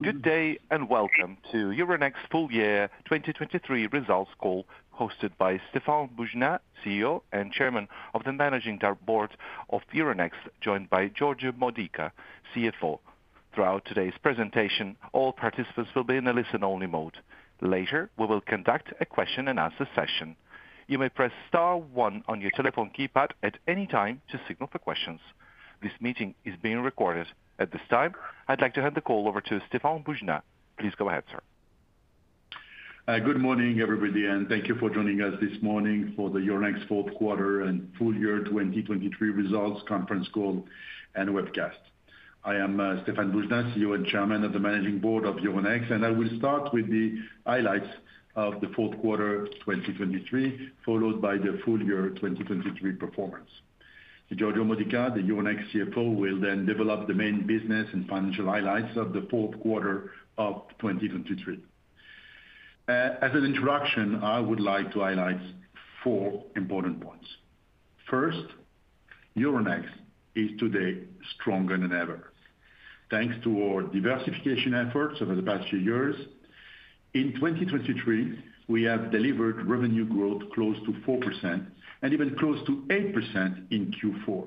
Good day and welcome to Euronext Full Year 2023 Results Call, hosted by Stéphane Boujnah, CEO and Chairman of the Managing Board of Euronext, joined by Giorgio Modica, CFO. Throughout today's presentation, all participants will be in a listen-only mode. Later, we will conduct a question-and-answer session. You may press star one on your telephone keypad at any time to signal for questions. This meeting is being recorded. At this time, I'd like to hand the call over to Stéphane Boujnah. Please go ahead, sir. Good morning, everybody, and thank you for joining us this morning for the Euronext fourth quarter and full year 2023 results conference call and webcast. I am Stéphane Boujnah, CEO and Chairman of the Managing Board of Euronext, and I will start with the highlights of the fourth quarter 2023, followed by the full year 2023 performance. Giorgio Modica, the Euronext CFO, will then develop the main business and financial highlights of the fourth quarter of 2023. As an introduction, I would like to highlight four important points. First, Euronext is today stronger than ever, thanks to our diversification efforts over the past few years. In 2023, we have delivered revenue growth close to 4% and even close to 8% in Q4.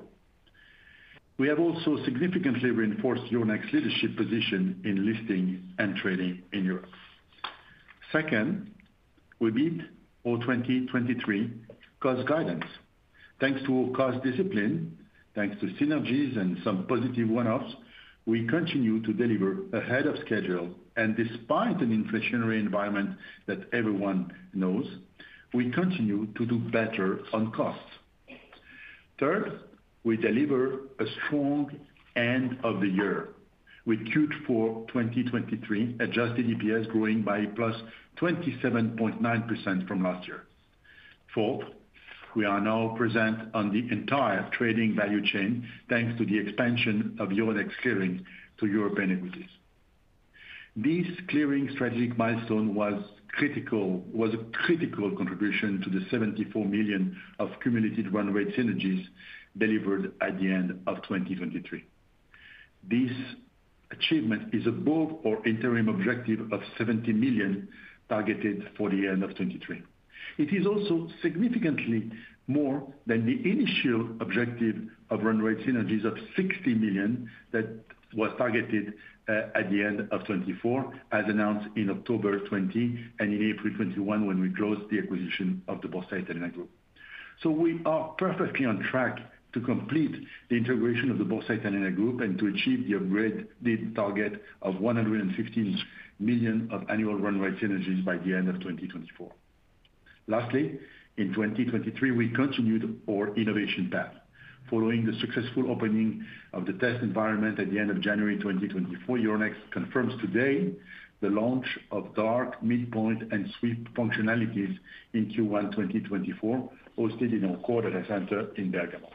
We have also significantly reinforced Euronext's leadership position in listing and trading in Europe. Second, we beat our 2023 cost guidance. Thanks to our cost discipline, thanks to synergies and some positive one-offs, we continue to deliver ahead of schedule, and despite an inflationary environment that everyone knows, we continue to do better on cost. Third, we deliver a strong end of the year with Q4 2023 Adjusted EPS growing by +27.9% from last year. Fourth, we are now present on the entire trading value chain thanks to the expansion of Euronext Clearing to European equities. This clearing strategic milestone was a critical contribution to the 74 million of cumulative run-rate synergies delivered at the end of 2023. This achievement is above our interim objective of 70 million targeted for the end of 2023. It is also significantly more than the initial objective of run rate synergies of 60 million that was targeted, at the end of 2024, as announced in October 2020 and in April 2021 when we closed the acquisition of the Borsa Italiana Group. So we are perfectly on track to complete the integration of the Borsa Italiana Group and to achieve the upgraded target of 115 million of annual run rate synergies by the end of 2024. Lastly, in 2023, we continued our innovation path. Following the successful opening of the test environment at the end of January 2024, Euronext confirms today the launch of dark, midpoint, and sweep functionalities in Q1 2024, hosted in our core data center in Bergamo.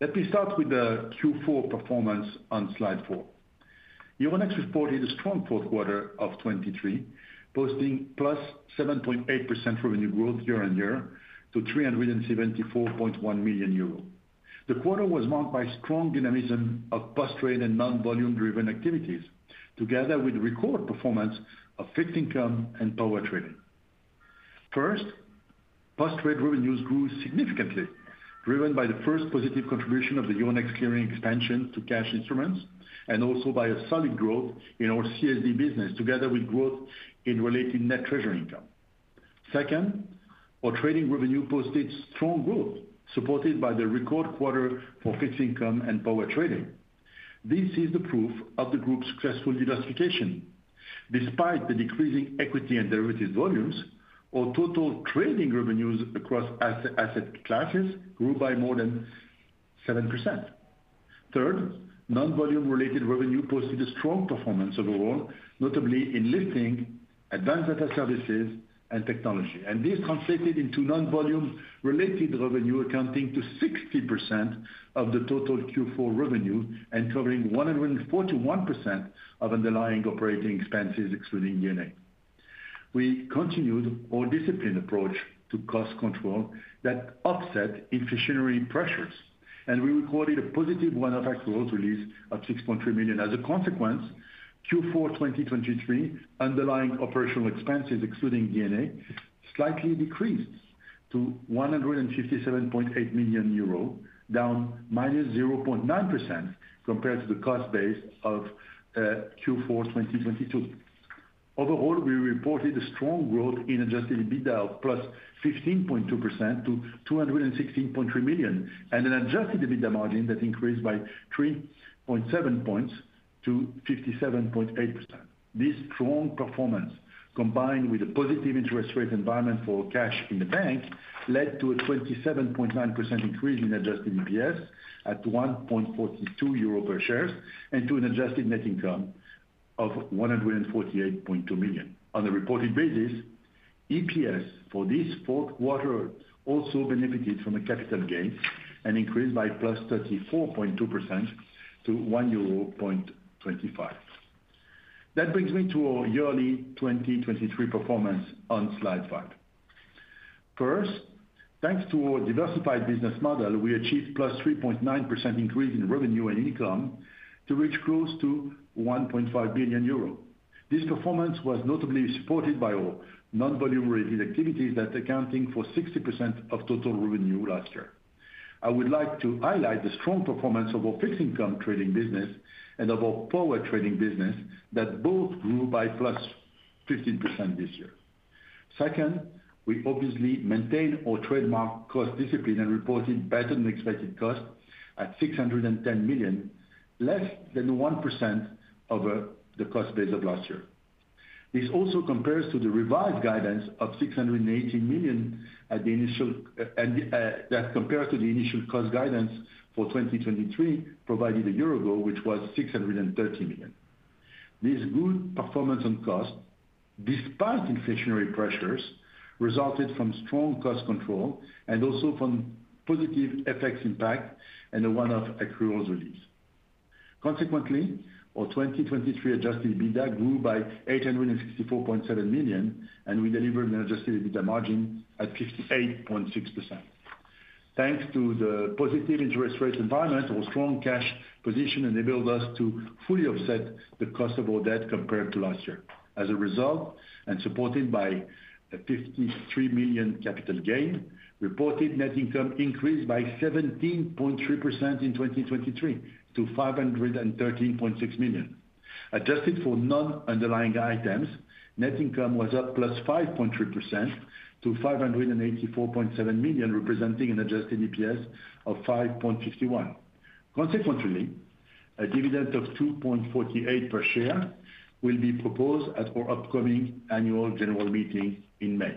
Let me start with the Q4 performance on slide 4. Euronext reported a strong fourth quarter of 2023, posting +7.8% revenue growth year-on-year to 374.1 million euro. The quarter was marked by strong dynamism of post-trade and non-volume-driven activities, together with record performance of fixed income and power trading. First, post-trade revenues grew significantly, driven by the first positive contribution of the Euronext Clearing expansion to cash instruments and also by a solid growth in our CSD business, together with growth in related net treasury income. Second, our trading revenue posted strong growth, supported by the record quarter for fixed income and power trading. This is the proof of the group's successful diversification. Despite the decreasing equity and derivatives volumes, our total trading revenues across asset classes grew by more than 7%. Third, non-volume-related revenue posted a strong performance overall, notably in listing, advanced data services, and technology. This translated into non-volume-related revenue accounting to 60% of the total Q4 revenue and covering 141% of underlying operating expenses, excluding D&A. We continued our disciplined approach to cost control that offset inflationary pressures, and we recorded a positive one-off accruals release of 6.3 million. As a consequence, Q4 2023 underlying operational expenses, excluding D&A, slightly decreased to 157.8 million euro, down -0.9% compared to the cost base of Q4 2022. Overall, we reported a strong growth in Adjusted EBITDA of +15.2% to 216.3 million, and an Adjusted EBITDA margin that increased by 3.7 points to 57.8%. This strong performance, combined with a positive interest rate environment for cash in the bank, led to a 27.9% increase in adjusted EPS at 1.42 euro per share and to an adjusted net income of 148.2 million. On a reported basis, EPS for this fourth quarter also benefited from a capital gain and increased by +34.2% to 1.25 euro. That brings me to our yearly 2023 performance on slide 5. First, thanks to our diversified business model, we achieved +3.9% increase in revenue and income to reach close to 1.5 billion euro. This performance was notably supported by our non-volume-related activities that accounting for 60% of total revenue last year. I would like to highlight the strong performance of our fixed income trading business and of our power trading business that both grew by +15% this year. Second, we obviously maintain our trademark cost discipline and reported better-than-expected cost at 610 million, less than 1% of, the cost base of last year. This also compares to the revised guidance of 618 million at the initial and, that compares to the initial cost guidance for 2023 provided a year ago, which was 630 million. This good performance on cost, despite inflationary pressures, resulted from strong cost control and also from positive FX impact and a one-off accruals release. Consequently, our 2023 Adjusted EBITDA grew by 864.7 million, and we delivered an Adjusted EBITDA margin at 58.6%. Thanks to the positive interest rate environment, our strong cash position enabled us to fully offset the cost of our debt compared to last year. As a result, and supported by a 53 million capital gain, reported net income increased by 17.3% in 2023 to 513.6 million. Adjusted for non-underlying items, net income was up +5.3% to 584.7 million, representing an adjusted EPS of 5.51. Consequently, a dividend of 2.48 per share will be proposed at our upcoming annual general meeting in May.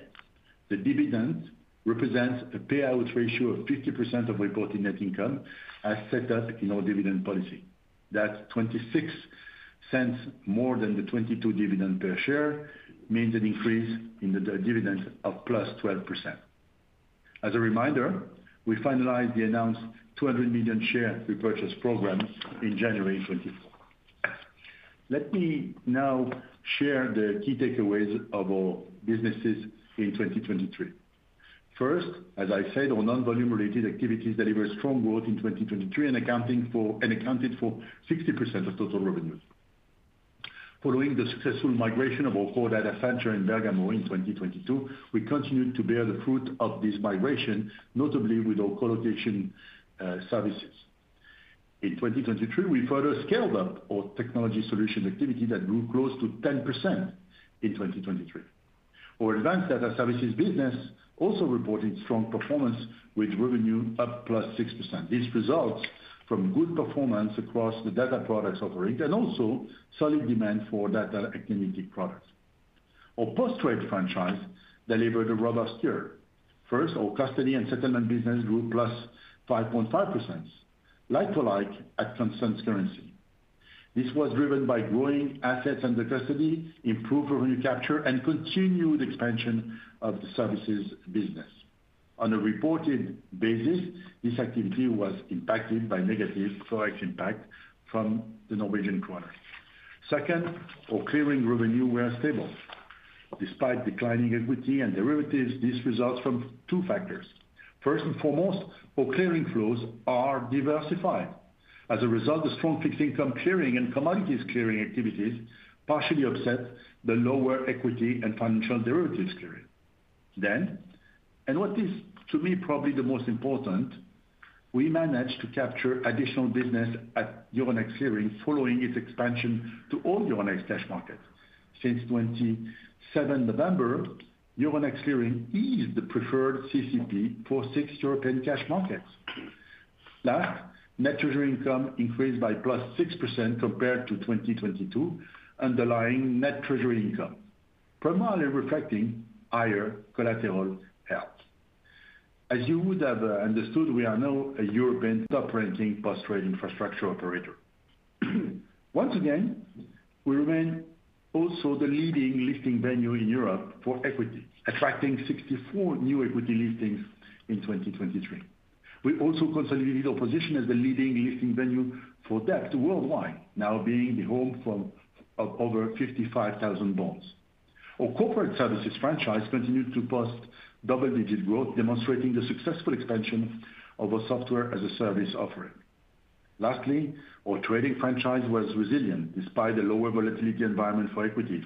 The dividend represents a payout ratio of 50% of reported net income, as set up in our dividend policy. That's 0.26 more than the 2.22 dividend per share, means an increase in the dividend of +12%. As a reminder, we finalized the announced 200 million share repurchase program in January 2024. Let me now share the key takeaways of our businesses in 2023. First, as I said, our non-volume-related activities delivered strong growth in 2023 and accounting for and accounted for 60% of total revenues. Following the successful migration of our core data center in Bergamo in 2022, we continued to bear fruit of this migration, notably with our collocation services. In 2023, we further scaled up our technology solution activity that grew close to 10% in 2023. Our advanced data services business also reported strong performance with revenue up +6%. This results from good performance across the data products offering and also solid demand for data activity products. Our post-trade franchise delivered a robust year. First, our custody and settlement business grew +5.5%, like-for-like at constant currency. This was driven by growing assets under custody, improved revenue capture, and continued expansion of the services business. On a reported basis, this activity was impacted by negative forex impact from the Norwegian krone. Second, our clearing revenue was stable. Despite declining equity and derivatives, this results from two factors. First and foremost, our clearing flows are diversified. As a result, the strong fixed income clearing and commodities clearing activities partially offset the lower equity and financial derivatives clearing. Then, and what is, to me, probably the most important, we managed to capture additional business at Euronext Clearing following its expansion to all Euronext cash markets. Since 27 November, Euronext Clearing is the preferred CCP for six European cash markets. Last, net treasury income increased by +6% compared to 2022, underlying net treasury income, primarily reflecting higher collateral held. As you would have understood, we are now a European top-ranking post-trade infrastructure operator. Once again, we remain also the leading listing venue in Europe for equity, attracting 64 new equity listings in 2023. We also consolidated our position as the leading listing venue for debt worldwide, now being the home for over 55,000 bonds. Our corporate services franchise continued to post double-digit growth, demonstrating the successful expansion of our software-as-a-service offering. Lastly, our trading franchise was resilient despite the lower volatility environment for equities.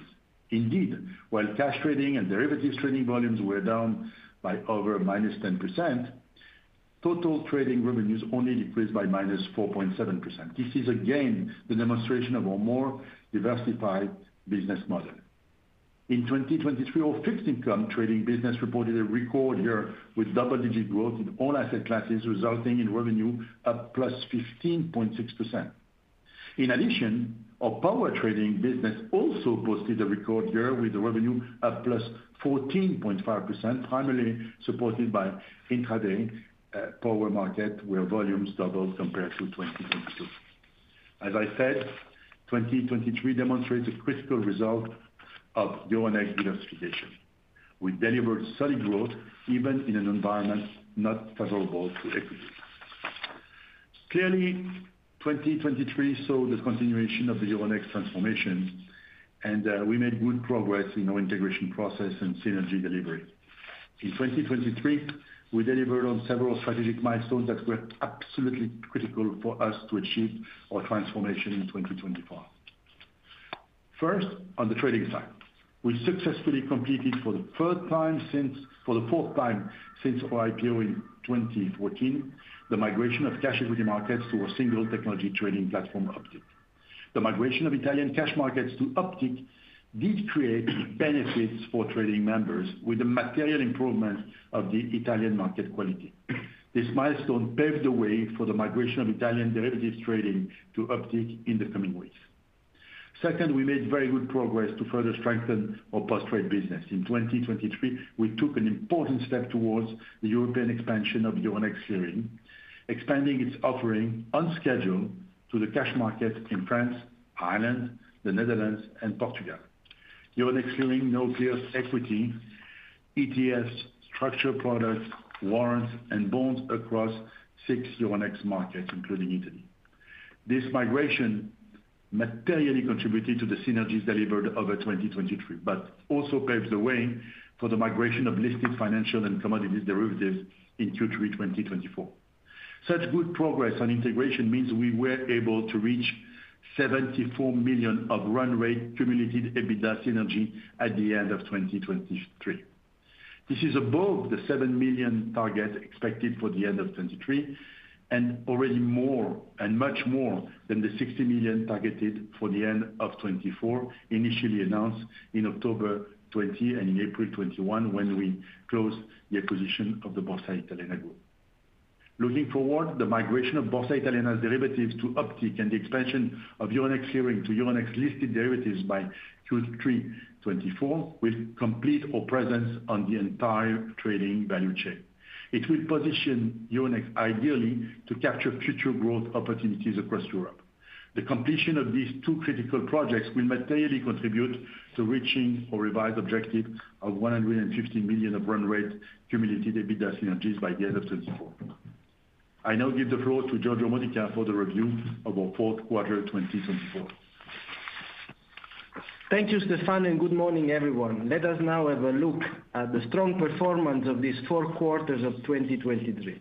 Indeed, while cash trading and derivatives trading volumes were down by over -10%, total trading revenues only decreased by -4.7%. This is again the demonstration of our more diversified business model. In 2023, our fixed income trading business reported a record year with double-digit growth in all asset classes, resulting in revenue up +15.6%. In addition, our power trading business also posted a record year with a revenue of +14.5%, primarily supported by intraday power market, where volumes doubled compared to 2022. As I said, 2023 demonstrates a critical result of Euronext diversification. We delivered solid growth even in an environment not favorable to equities. Clearly, 2023 saw the continuation of the Euronext transformation, and we made good progress in our integration process and synergy delivery. In 2023, we delivered on several strategic milestones that were absolutely critical for us to achieve our transformation in 2024. First, on the trading side, we successfully completed for the fourth time since our IPO in 2014, the migration of cash equity markets to our single technology trading platform, Optiq. The migration of Italian cash markets to Optiq did create benefits for trading members with a material improvement of the Italian market quality. This milestone paved the way for the migration of Italian derivatives trading to Optiq in the coming weeks. Second, we made very good progress to further strengthen our post-trade business. In 2023, we took an important step towards the European expansion of Euronext Clearing, expanding its offering on schedule to the cash markets in France, Ireland, the Netherlands, and Portugal. Euronext Clearing now clears equity, ETFs, structured products, warrants, and bonds across six Euronext markets, including Italy. This migration materially contributed to the synergies delivered over 2023 but also paved the way for the migration of listed financial and commodities derivatives in Q3 2024. Such good progress on integration means we were able to reach 74 million of run rate cumulative EBITDA synergy at the end of 2023. This is above the 7 million target expected for the end of 2023 and already more and much more than the 60 million targeted for the end of 2024, initially announced in October 2020 and in April 2021 when we closed the acquisition of the Borsa Italiana Group. Looking forward, the migration of Borsa Italiana's derivatives to Optiq and the expansion of Euronext Clearing to Euronext listed derivatives by Q3 2024 will complete our presence on the entire trading value chain. It will position Euronext, ideally, to capture future growth opportunities across Europe. The completion of these two critical projects will materially contribute to reaching our revised objective of 150 million of run rate cumulative EBITDA synergies by the end of 2024. I now give the floor to Giorgio Modica for the review of our fourth quarter, 2024. Thank you, Stéphane, and good morning, everyone. Let us now have a look at the strong performance of these four quarters of 2023.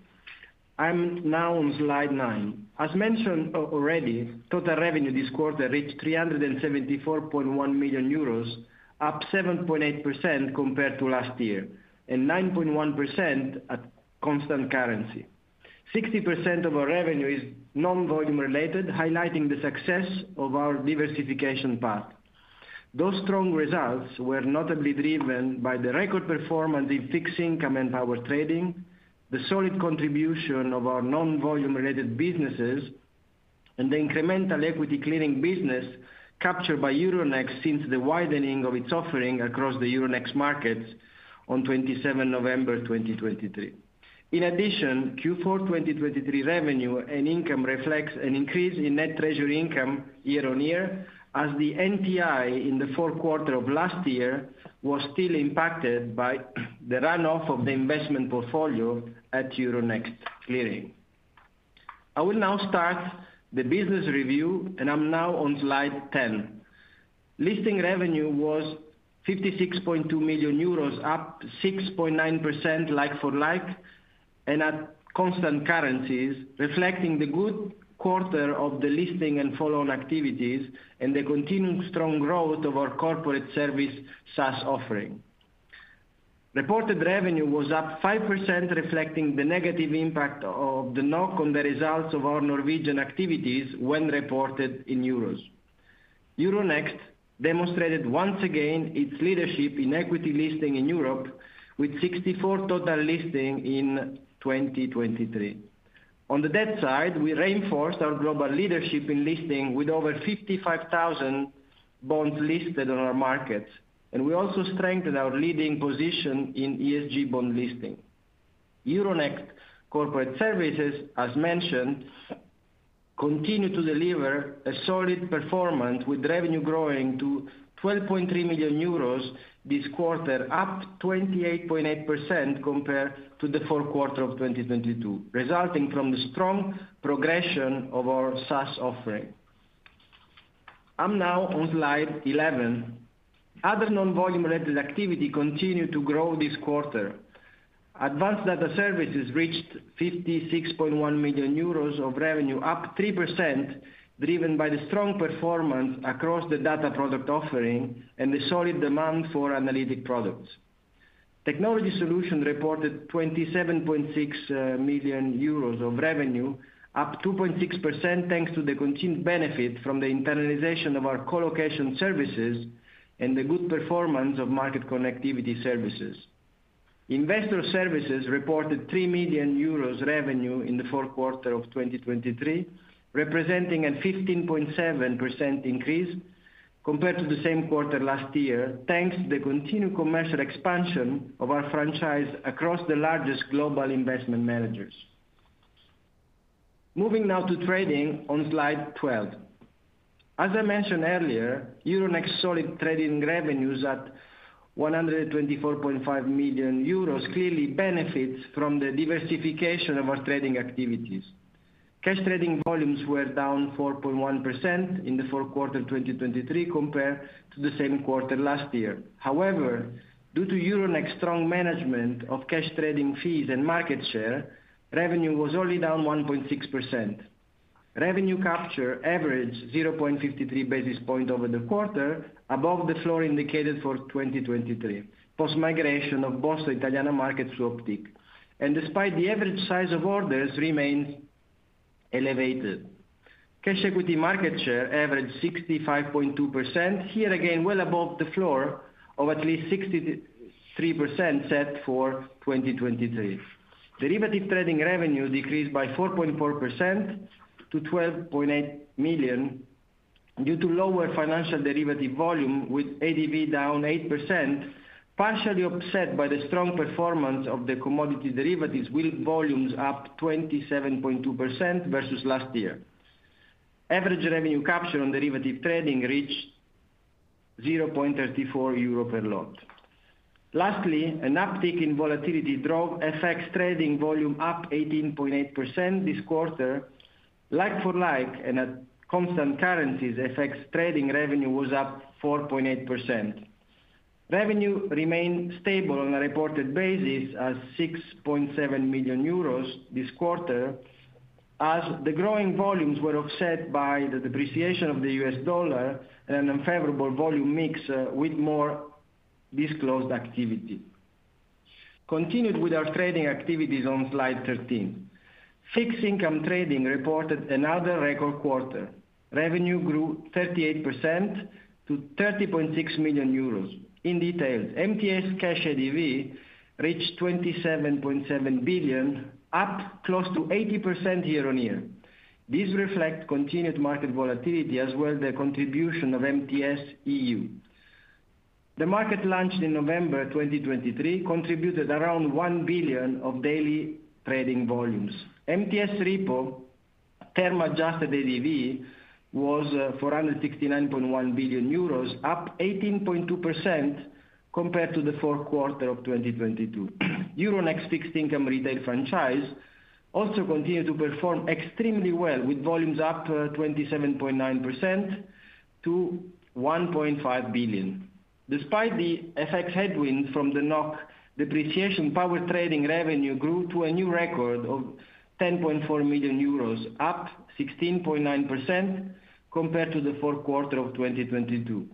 I'm now on slide 9. As mentioned already, total revenue this quarter reached 374.1 million euros, up 7.8% compared to last year and 9.1% at constant currency. 60% of our revenue is non-volume-related, highlighting the success of our diversification path. Those strong results were notably driven by the record performance in fixed income and power trading, the solid contribution of our non-volume-related businesses, and the incremental equity clearing business captured by Euronext since the widening of its offering across the Euronext markets on 27 November 2023. In addition, Q4 2023 revenue and income reflects an increase in net treasury income year-over-year, as the NTI in the fourth quarter of last year was still impacted by the runoff of the investment portfolio at Euronext Clearing. I will now start the business review, and I'm now on slide 10. Listing revenue was 56.2 million euros, up 6.9% like-for-like and at constant currencies, reflecting the good quarter of the listing and follow-on activities and the continued strong growth of our corporate service SaaS offering. Reported revenue was up 5%, reflecting the negative impact of the NOK on on the results of our Norwegian activities when reported in euros. Euronext demonstrated once again its leadership in equity listing in Europe, with 64 total listings in 2023. On the debt side, we reinforced our global leadership in listing with over 55,000 bonds listed on our markets, and we also strengthened our leading position in ESG bond listing. Euronext Corporate Services, as mentioned, continue to deliver a solid performance, with revenue growing to 12.3 million euros this quarter, up 28.8% compared to the fourth quarter of 2022, resulting from the strong progression of our SaaS offering. I'm now on slide 11. Other non-volume-related activity continued to grow this quarter. Advanced data services reached 56.1 million euros of revenue, up 3%, driven by the strong performance across the data product offering and the solid demand for analytic products. Technology solutions reported 27.6 million euros of revenue, up 2.6% thanks to the continued benefit from the internalization of our collocation services and the good performance of market connectivity services. Investor services reported 3 million euros revenue in the fourth quarter of 2023, representing a 15.7% increase compared to the same quarter last year, thanks to the continued commercial expansion of our franchise across the largest global investment managers. Moving now to trading on Slide 12. As I mentioned earlier, Euronext's solid trading revenues at 124.5 million euros clearly benefit from the diversification of our trading activities. Cash trading volumes were down 4.1% in the fourth quarter 2023 compared to the same quarter last year. However, due to Euronext's strong management of cash trading fees and market share, revenue was only down 1.6%. Revenue capture averaged 0.53 basis points over the quarter, above the floor indicated for 2023 post-migration of Borsa Italiana markets to Optiq, and despite the average size of orders remains elevated. Cash equity market share averaged 65.2%, here again well above the floor of at least 63% set for 2023. Derivative trading revenue decreased by 4.4% to 12.8 million due to lower financial derivative volume, with ADV down 8%, partially offset by the strong performance of the commodity derivatives, with volumes up 27.2% versus last year. Average revenue capture on derivative trading reached 0.34 euro per lot. Lastly, an uptick in volatility draw affects trading volume, up 18.8% this quarter. Like-for-like and at constant currencies, FX trading revenue was up 4.8%. Revenue remained stable on a reported basis at 6.7 million euros this quarter, as the growing volumes were offset by the depreciation of the U.S. dollar and an unfavorable volume mix with more disclosed activity. Continued with our trading activities on slide 13. Fixed income trading reported another record quarter. Revenue grew 38% to 30.6 million euros. In detail, MTS Cash ADV reached 27.7 billion, up close to 80% year-on-year. This reflects continued market volatility as well as the contribution of MTS EU. The market launched in November 2023, contributed around 1 billion of daily trading volumes. MTS Repo term-adjusted ADV was 469.1 billion euros, up 18.2% compared to the fourth quarter of 2022. Euronext fixed income retail franchise also continued to perform extremely well, with volumes up 27.9% to 1.5 billion. Despite the FX headwinds from the NOK depreciation power trading revenue grew to a new record of 10.4 million euros, up 16.9% compared to the fourth quarter of 2022.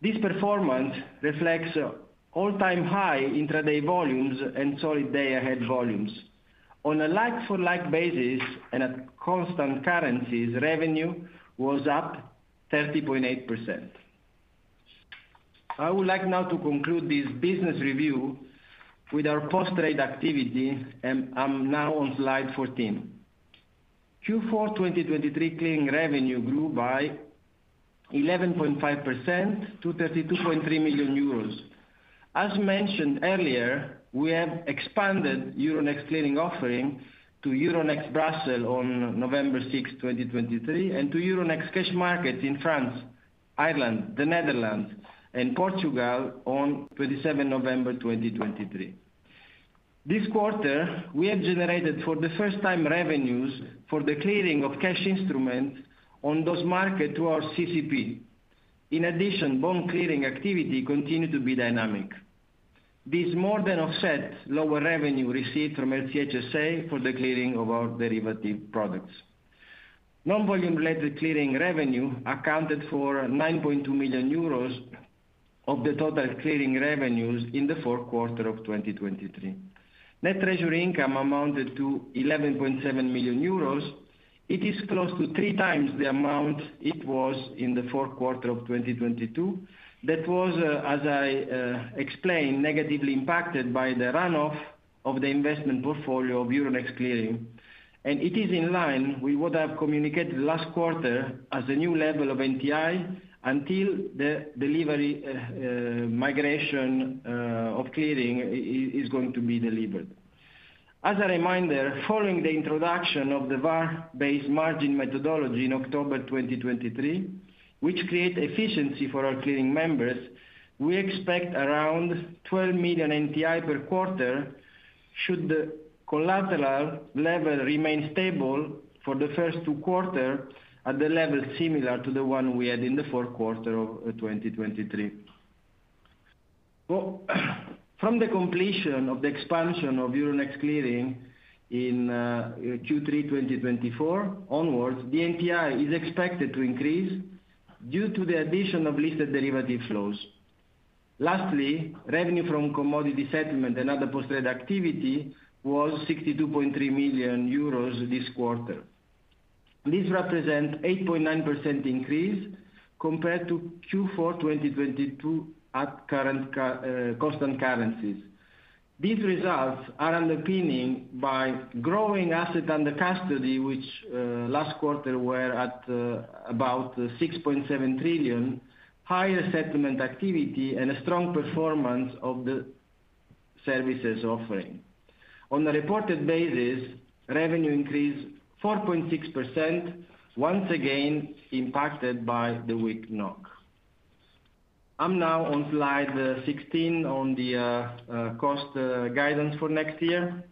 This performance reflects an all-time high intraday volumes and solid day-ahead volumes. On a like-for-like basis and at constant currencies, revenue was up 30.8%. I would like now to conclude this business review with our post-trade activity, and I'm now on slide 14. Q4 2023 clearing revenue grew by 11.5% to 32.3 million euros. As mentioned earlier, we have expanded Euronext Clearing offering to Euronext Brussels on November 6, 2023, and to Euronext cash markets in France, Ireland, the Netherlands, and Portugal on 27 November 2023. This quarter, we have generated for the first time revenues for the clearing of cash instruments on those markets to our CCP. In addition, bond clearing activity continued to be dynamic. This more than offset lower revenue received from LCH SA for the clearing of our derivative products. Non-volume-related clearing revenue accounted for 9.2 million euros of the total clearing revenues in the fourth quarter of 2023. Net treasury income amounted to 11.7 million euros. It is close to three times the amount it was in the fourth quarter of 2022 that was, as I explained, negatively impacted by the runoff of the investment portfolio of Euronext Clearing, and it is in line with what I've communicated last quarter as a new level of NTI until the delivery migration of clearing is going to be delivered. As a reminder, following the introduction of the VaR-based margin methodology in October 2023, which creates efficiency for our clearing members, we expect around 12 million NTI per quarter should the collateral level remain stable for the first two quarters at a level similar to the one we had in the fourth quarter of 2023. From the completion of the expansion of Euronext Clearing in Q3 2024 onwards, the NTI is expected to increase due to the addition of listed derivative flows. Lastly, revenue from commodity settlement and other post-trade activity was 62.3 million euros this quarter. This represents an 8.9% increase compared to Q4 2022 at current constant currencies. These results are underpinning by growing asset under custody, which last quarter were at about 6.7 trillion, higher settlement activity, and a strong performance of the services offering. On a reported basis, revenue increased 4.6%, once again impacted by the weak NOK. I'm now on slide 16 on the cost guidance for next year.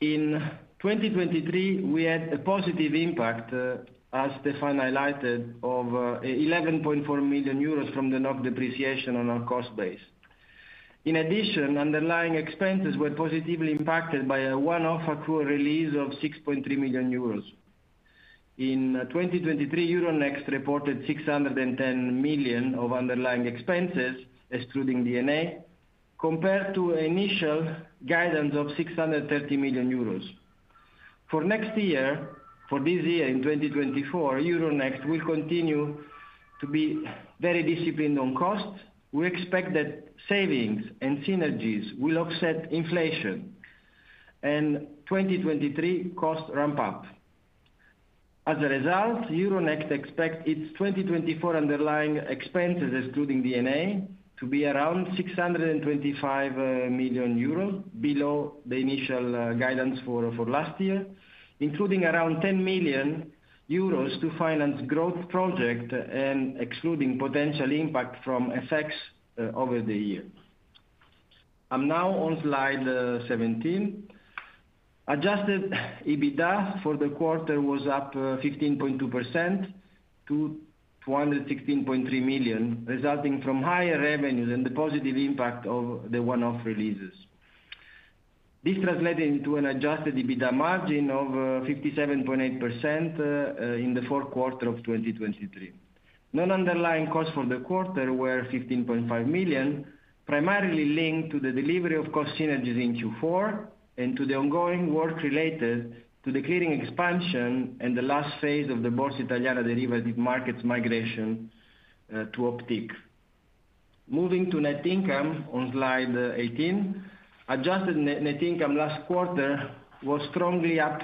In 2023, we had a positive impact, as Stéphane highlighted, of 11.4 million euros from the NOK depreciation on our cost base. In addition, underlying expenses were positively impacted by a one-off accrual release of 6.3 million euros. In 2023, Euronext reported 610 million of underlying expenses, excluding D&A, compared to initial guidance of 630 million euros. For next year, for this year in 2024, Euronext will continue to be very disciplined on cost. We expect that savings and synergies will offset inflation, and 2023 costs ramp up. As a result, Euronext expects its 2024 underlying expenses, excluding D&A, to be around 625 million euros below the initial guidance for last year, including around 10 million euros to finance growth projects and excluding potential impact from FX over the year. I'm now on Slide 17. Adjusted EBITDA for the quarter was up 15.2% to 216.3 million, resulting from higher revenues and the positive impact of the one-off releases. This translated into an adjusted EBITDA margin of 57.8% in the fourth quarter of 2023. Non-underlying costs for the quarter were 15.5 million, primarily linked to the delivery of cost synergies in Q4 and to the ongoing work related to the clearing expansion and the last phase of the Borsa Italiana derivative markets migration to Optiq. Moving to net income on Slide 18, adjusted net income last quarter was strongly up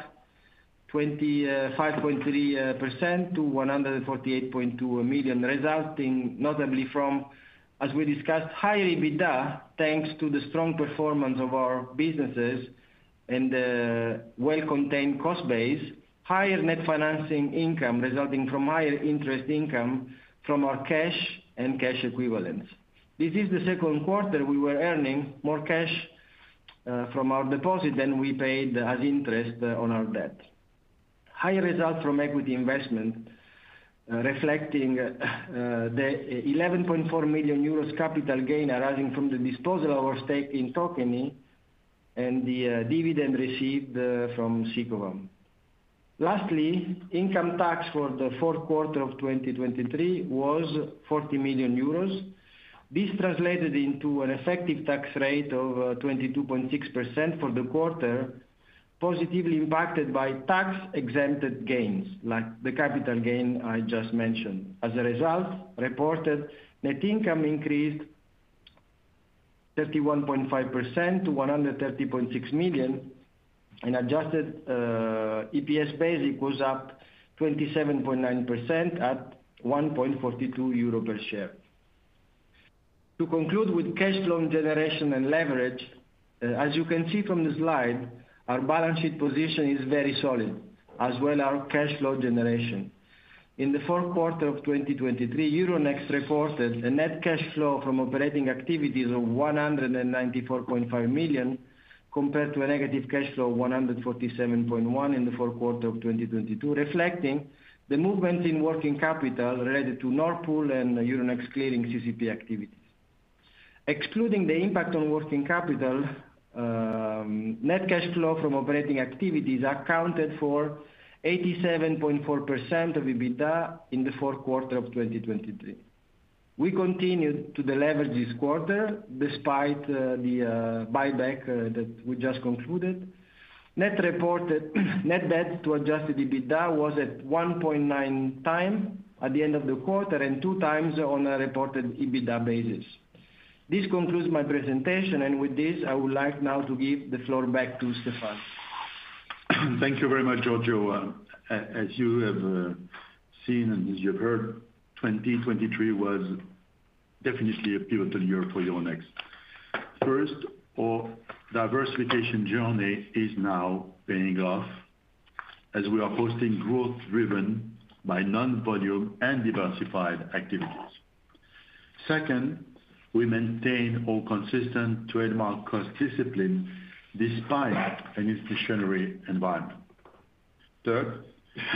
25.3% to 148.2 million, resulting notably from, as we discussed, higher EBITDA thanks to the strong performance of our businesses and the well-contained cost base, higher net financing income resulting from higher interest income from our cash and cash equivalents. This is the second quarter we were earning more cash from our deposit than we paid as interest on our debt. Higher results from equity investment reflecting the 11.4 million euros capital gain arising from the disposal of our stake in Tokeny and the dividend received from Sicovam. Lastly, income tax for the fourth quarter of 2023 was 40 million euros. This translated into an effective tax rate of 22.6% for the quarter, positively impacted by tax-exempted gains, like the capital gain I just mentioned. As a result, reported net income increased 31.5% to 130.6 million, and adjusted EPS basic was up 27.9% at 1.42 euro per share. To conclude with cash flow generation and leverage, as you can see from the slide, our balance sheet position is very solid, as well as our cash flow generation. In the fourth quarter of 2023, Euronext reported a net cash flow from operating activities of 194.5 million compared to a negative cash flow of 147.1 million in the fourth quarter of 2022, reflecting the movements in working capital related to Nord Pool and Euronext Clearing CCP activities. Excluding the impact on working capital, net cash flow from operating activities accounted for 87.4% of EBITDA in the fourth quarter of 2023. We continued to deliver this quarter despite the buyback that we just concluded. Net reported net debt to Adjusted EBITDA was at 1.9x at the end of the quarter and 2x on a reported EBITDA basis. This concludes my presentation, and with this, I would like now to give the floor back to Stéphane. Thank you very much, Giorgio. As you have seen and as you have heard, 2023 was definitely a pivotal year for Euronext. First, our diversification journey is now paying off, as we are posting growth driven by non-volume and diversified activities. Second, we maintain our consistent trademark cost discipline despite an inflationary environment. Third,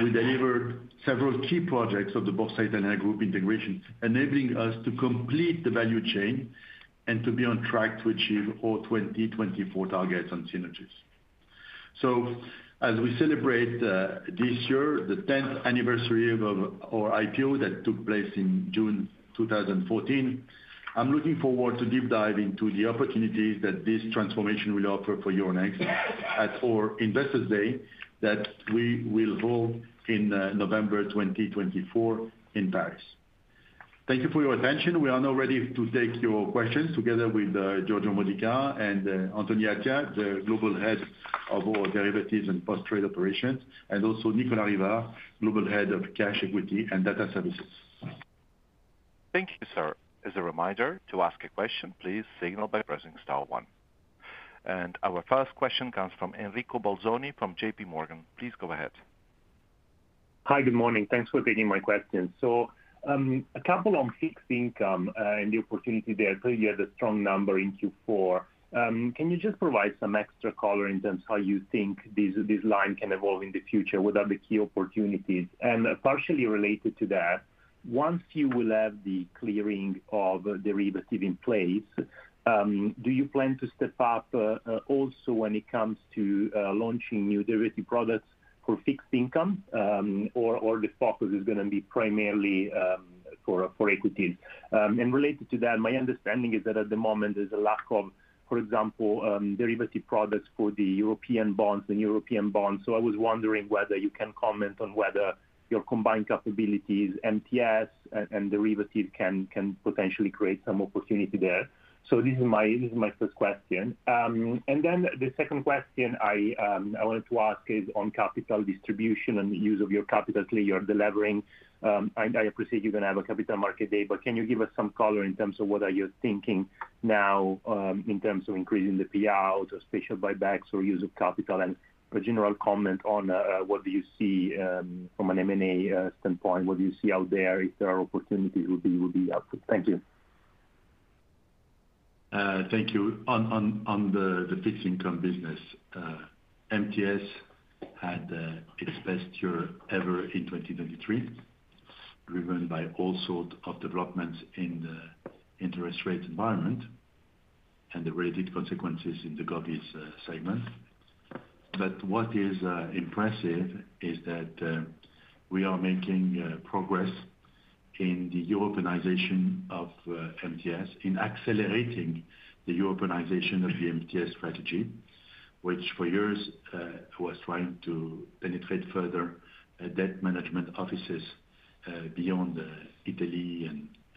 we delivered several key projects of the Borsa Italiana group integration, enabling us to complete the value chain and to be on track to achieve our 2024 targets on synergies. So, as we celebrate this year, the 10th anniversary of our IPO that took place in June 2014, I'm looking forward to deep dive into the opportunities that this transformation will offer for Euronext at our Investors' Day that we will hold in November 2024 in Paris. Thank you for your attention. We are now ready to take your questions together with Giorgio Modica and Anthony Attia, the global head of our derivatives and post-trade operations, and also Nicolas Rivard, global head of cash equity and data services. Thank you, sir. As a reminder, to ask a question, please signal by pressing star one. And our first question comes Enrico Bolzoni from JPMorgan. Please go ahead. Hi. Good morning. Thanks for taking my question. So, a couple on fixed income and the opportunity there. I told you you had a strong number in Q4. Can you just provide some extra color in terms of how you think this line can evolve in the future? What are the key opportunities? And partially related to that, once you will have the clearing of derivatives in place, do you plan to step up also when it comes to launching new derivative products for fixed income, or the focus is going to be primarily for equities? And related to that, my understanding is that at the moment, there's a lack of, for example, derivative products for the European bonds. So, I was wondering whether you can comment on whether your combined capabilities, MTS, and derivatives can potentially create some opportunity there. So, this is my first question. And then the second question I wanted to ask is on capital distribution and the use of your capital, clearing, and delivery. I appreciate you're going to have a capital market day, but can you give us some color in terms of what are you thinking now in terms of increasing the payout or special buybacks or use of capital and a general comment on what do you see from an M&A standpoint? What do you see out there? If there are opportunities, would be helpful. Thank you. Thank you. On the fixed income business, MTS had its best year ever in 2023, driven by all sorts of developments in the interest rate environment and the related consequences in the govvie segment. But what is impressive is that we are making progress in the Europeanization of MTS, in accelerating the Europeanization of the MTS strategy, which for years was trying to penetrate further debt management offices beyond Italy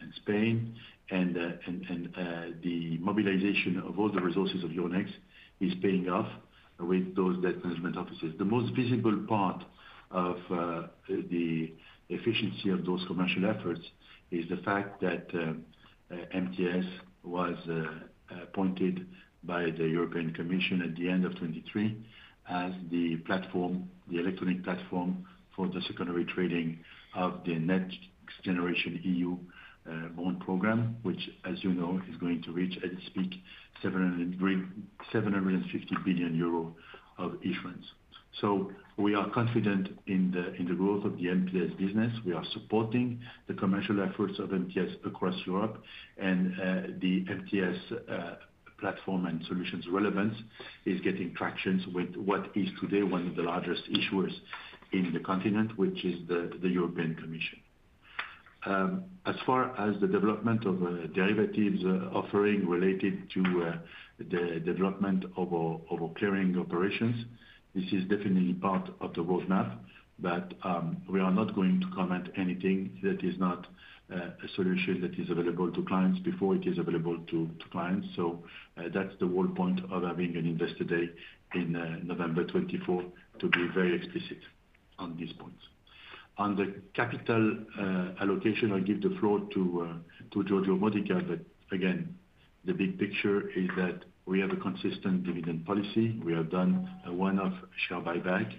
and Spain. The mobilization of all the resources of Euronext is paying off with those debt management offices. The most visible part of the efficiency of those commercial efforts is the fact that MTS was appointed by the European Commission at the end of 2023 as the platform, the electronic platform for the secondary trading of the NextGenerationEU bond program, which, as you know, is going to reach, at its peak, 750 billion euro of issuance. We are confident in the growth of the MTS business. We are supporting the commercial efforts of MTS across Europe, and the MTS platform and solutions relevance is getting traction with what is today one of the largest issuers in the continent, which is the European Commission. As far as the development of derivatives offering related to the development of our clearing operations, this is definitely part of the roadmap, but we are not going to comment anything that is not a solution that is available to clients before it is available to clients. So, that's the whole point of having an Investors' Day in November 2024 to be very explicit on these points. On the capital allocation, I'll give the floor to Giorgio Modica. But again, the big picture is that we have a consistent dividend policy. We have done a one-off share buyback.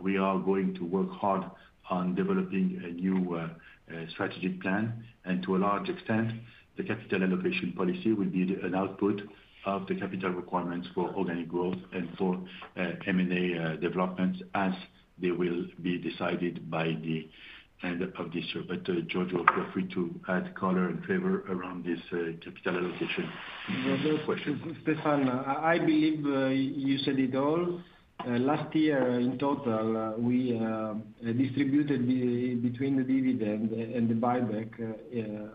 We are going to work hard on developing a new strategic plan. And to a large extent, the capital allocation policy will be an output of the capital requirements for organic growth and for M&A developments as they will be decided by the end of this year. But Giorgio, feel free to add color and flavor around this capital allocation. No more questions. Stéphane, I believe you said it all. Last year, in total, we distributed between the dividend and the buyback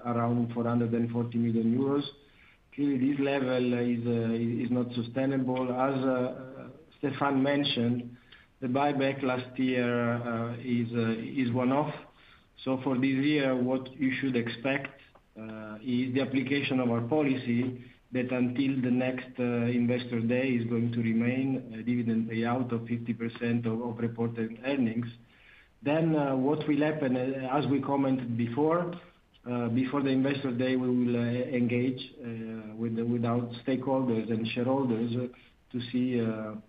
around 440 million euros. Clearly, this level is not sustainable. As Stéphane mentioned, the buyback last year is one-off. So, for this year, what you should expect is the application of our policy that until the next Investors' Day is going to remain a dividend payout of 50% of reported earnings. Then what will happen, as we commented before, before the Investors' Day, we will engage with stakeholders and shareholders to see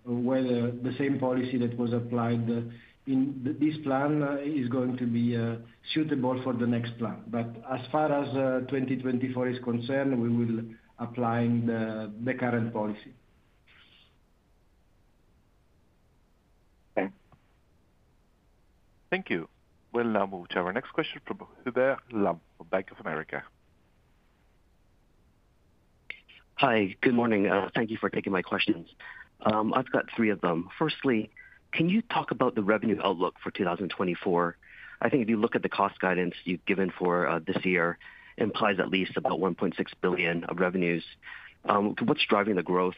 whether the same policy that was applied in this plan is going to be suitable for the next plan. But as far as 2024 is concerned, we will apply the current policy. Okay. Thank you. We'll now move to our next question from Hubert Lam from Bank of America. Hi. Good morning. Thank you for taking my questions. I've got three of them. Firstly, can you talk about the revenue outlook for 2024? I think if you look at the cost guidance you've given for this year, it implies at least about 1.6 billion of revenues. What's driving the growth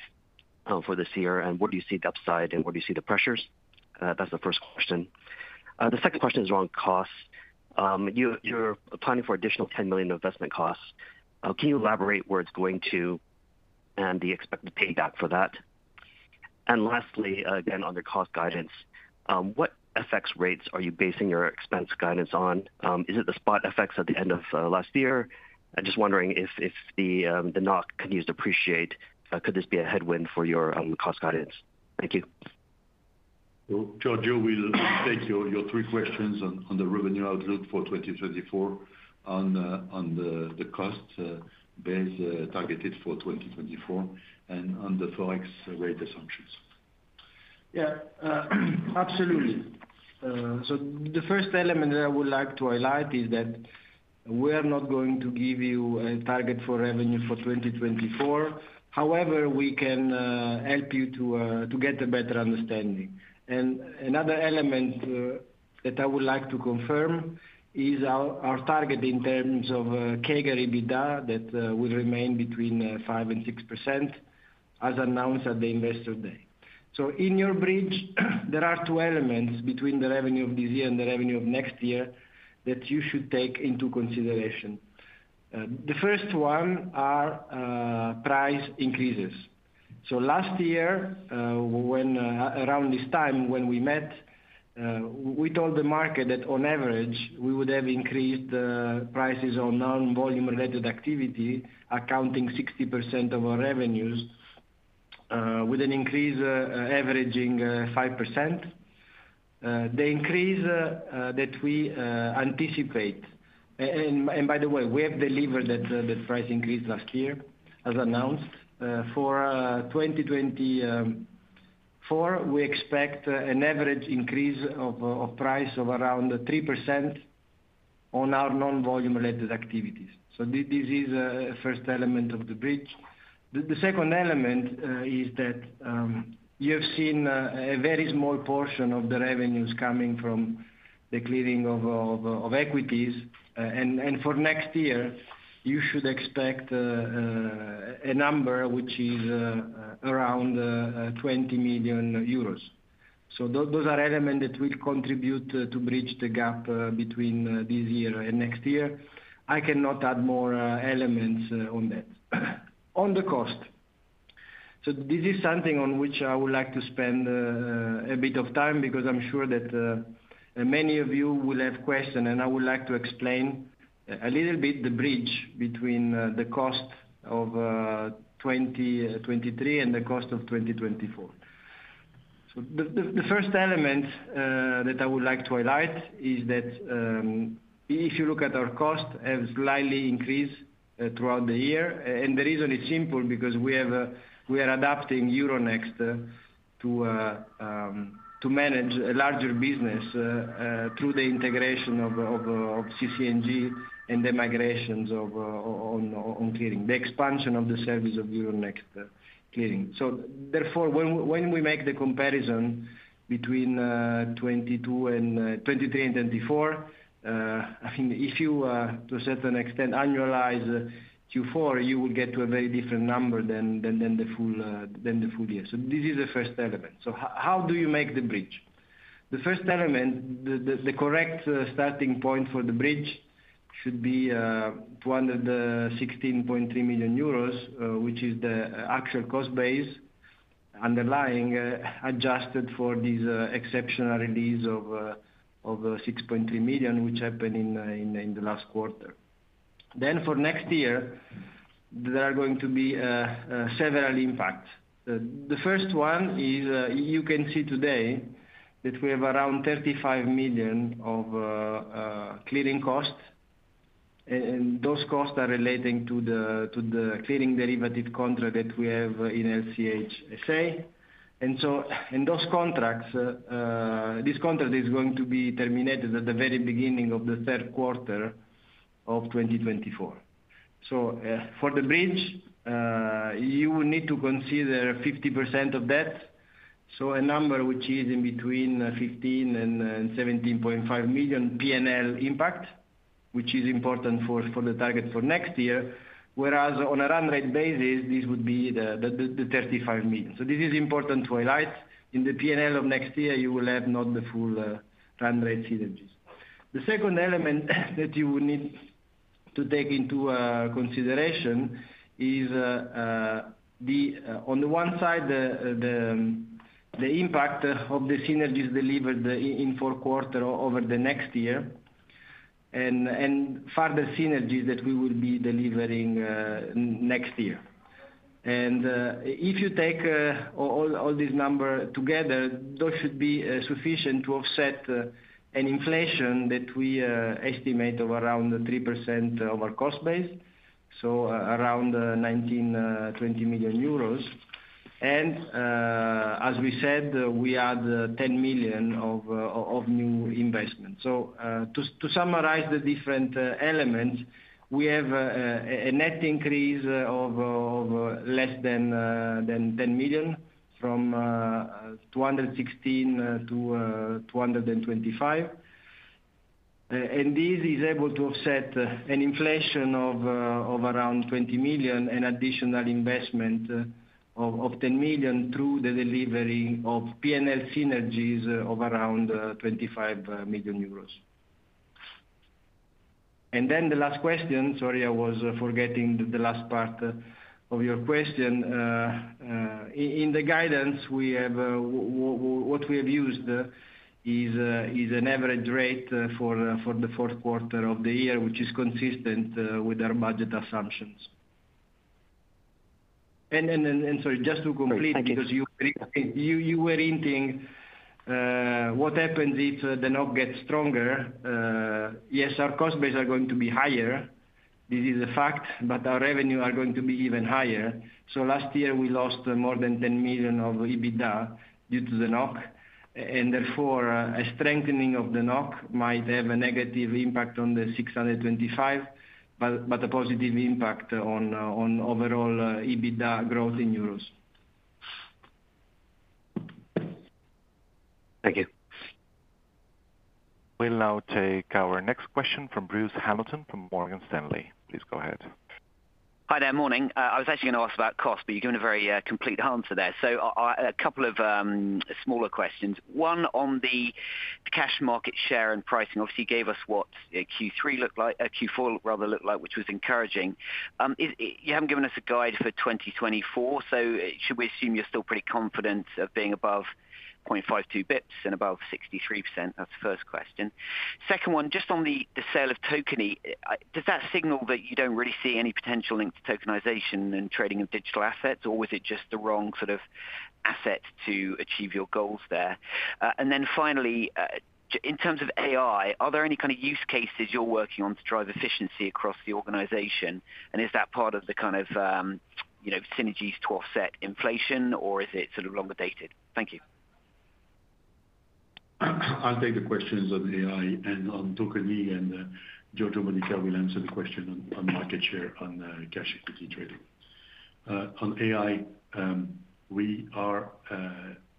for this year, and where do you see the upside, and where do you see the pressures? That's the first question. The second question is around costs. You're planning for additional 10 million investment costs. Can you elaborate where it's going to and the expected payback for that? And lastly, again, on your cost guidance, what FX rates are you basing your expense guidance on? Is it the spot FX at the end of last year? I'm just wondering if the NOK can use depreciate. Could this be a headwind for your cost guidance? Thank you. Giorgio, we'll take your three questions on the revenue outlook for 2024, on the cost base targeted for 2024, and on the Forex rate assumptions. Yeah. Absolutely. So, the first element that I would like to highlight is that we are not going to give you a target for revenue for 2024. However, we can help you to get a better understanding. And another element that I would like to confirm is our target in terms of CAGR EBITDA that will remain between 5%-6% as announced at the Investors' Day. So, in your bridge, there are two elements between the revenue of this year and the revenue of next year that you should take into consideration. The first one are price increases. So, last year, around this time when we met, we told the market that, on average, we would have increased prices on non-volume related activity, accounting 60% of our revenues, with an increase averaging 5%. The increase that we anticipate and by the way, we have delivered that price increase last year, as announced. For 2024, we expect an average increase of price of around 3% on our non-volume related activities. So, this is the first element of the bridge. The second element is that you have seen a very small portion of the revenues coming from the clearing of equities. And for next year, you should expect a number which is around 20 million euros. So, those are elements that will contribute to bridge the gap between this year and next year. I cannot add more elements on that. On the cost. So, this is something on which I would like to spend a bit of time because I'm sure that many of you will have questions, and I would like to explain a little bit the bridge between the cost of 2023 and the cost of 2024. The first element that I would like to highlight is that if you look at our cost, it has slightly increased throughout the year. The reason is simple, because we are adapting Euronext to manage a larger business through the integration of CC&G and the migrations on clearing, the expansion of the service of Euronext Clearing. Therefore, when we make the comparison between 2023 and 2024, I mean, if you, to a certain extent, annualize Q4, you will get to a very different number than the full year. This is the first element. How do you make the bridge? The first element, the correct starting point for the bridge should be 216.3 million euros, which is the actual cost base underlying adjusted for this exceptional release of 6.3 million, which happened in the last quarter. Then, for next year, there are going to be several impacts. The first one is you can see today that we have around 35 million of clearing costs. And those costs are relating to the clearing derivative contract that we have in LCH SA. And so, in those contracts, this contract is going to be terminated at the very beginning of the third quarter of 2024. So, for the bridge, you will need to consider 50% of debt, so a number which is in between 15 million and 17.5 million P&L impact, which is important for the target for next year, whereas on a run rate basis, this would be the 35 million. So, this is important to highlight. In the P&L of next year, you will have not the full run rate synergies. The second element that you will need to take into consideration is, on the one side, the impact of the synergies delivered in fourth quarter over the next year and further synergies that we will be delivering next year. And if you take all this number together, those should be sufficient to offset an inflation that we estimate of around 3% of our cost base, so around 19.2 million euros. And as we said, we add 10 million of new investments. So, to summarize the different elements, we have a net increase of less than 10 million, from 216 million to 225 million. And this is able to offset an inflation of around 20 million and additional investment of 10 million through the delivery of P&L synergies of around 25 million euros. And then the last question, sorry, I was forgetting the last part of your question. In the guidance, what we have used is an average rate for the fourth quarter of the year, which is consistent with our budget assumptions. And sorry, just to complete because you were hinting what happens if the NOK gets stronger. Yes, our cost base is going to be higher. This is a fact. But our revenues are going to be even higher. So, last year, we lost more than 10 million of EBITDA due to the NOK. And therefore, a strengthening of the NOK might have a negative impact on the 625 but a positive impact on overall EBITDA growth in euros. Thank you. We'll now take our next question from Bruce Hamilton from Morgan Stanley. Please go ahead. Hi there. Morning.I was actually going to ask about cost, but you've given a very complete answer there. So, a couple of smaller questions. One, on the cash market share and pricing, obviously, you gave us what Q4 looked like which was encouraging. You haven't given us a guide for 2024, so should we assume you're still pretty confident of being above 0.52 bps and above 63%? That's the first question. Second one, just on the sale of Tokeny, does that signal that you don't really see any potential link to tokenization and trading of digital assets, or was it just the wrong sort of asset to achieve your goals there? And then finally, in terms of AI, are there any kind of use cases you're working on to drive efficiency across the organization? And is that part of the kind of synergies to offset inflation, or is it sort of longer dated? Thank you. I'll take the questions on AI and on Tokeny, and Giorgio Modica will answer the question on market share, on cash equity trading. On AI, we are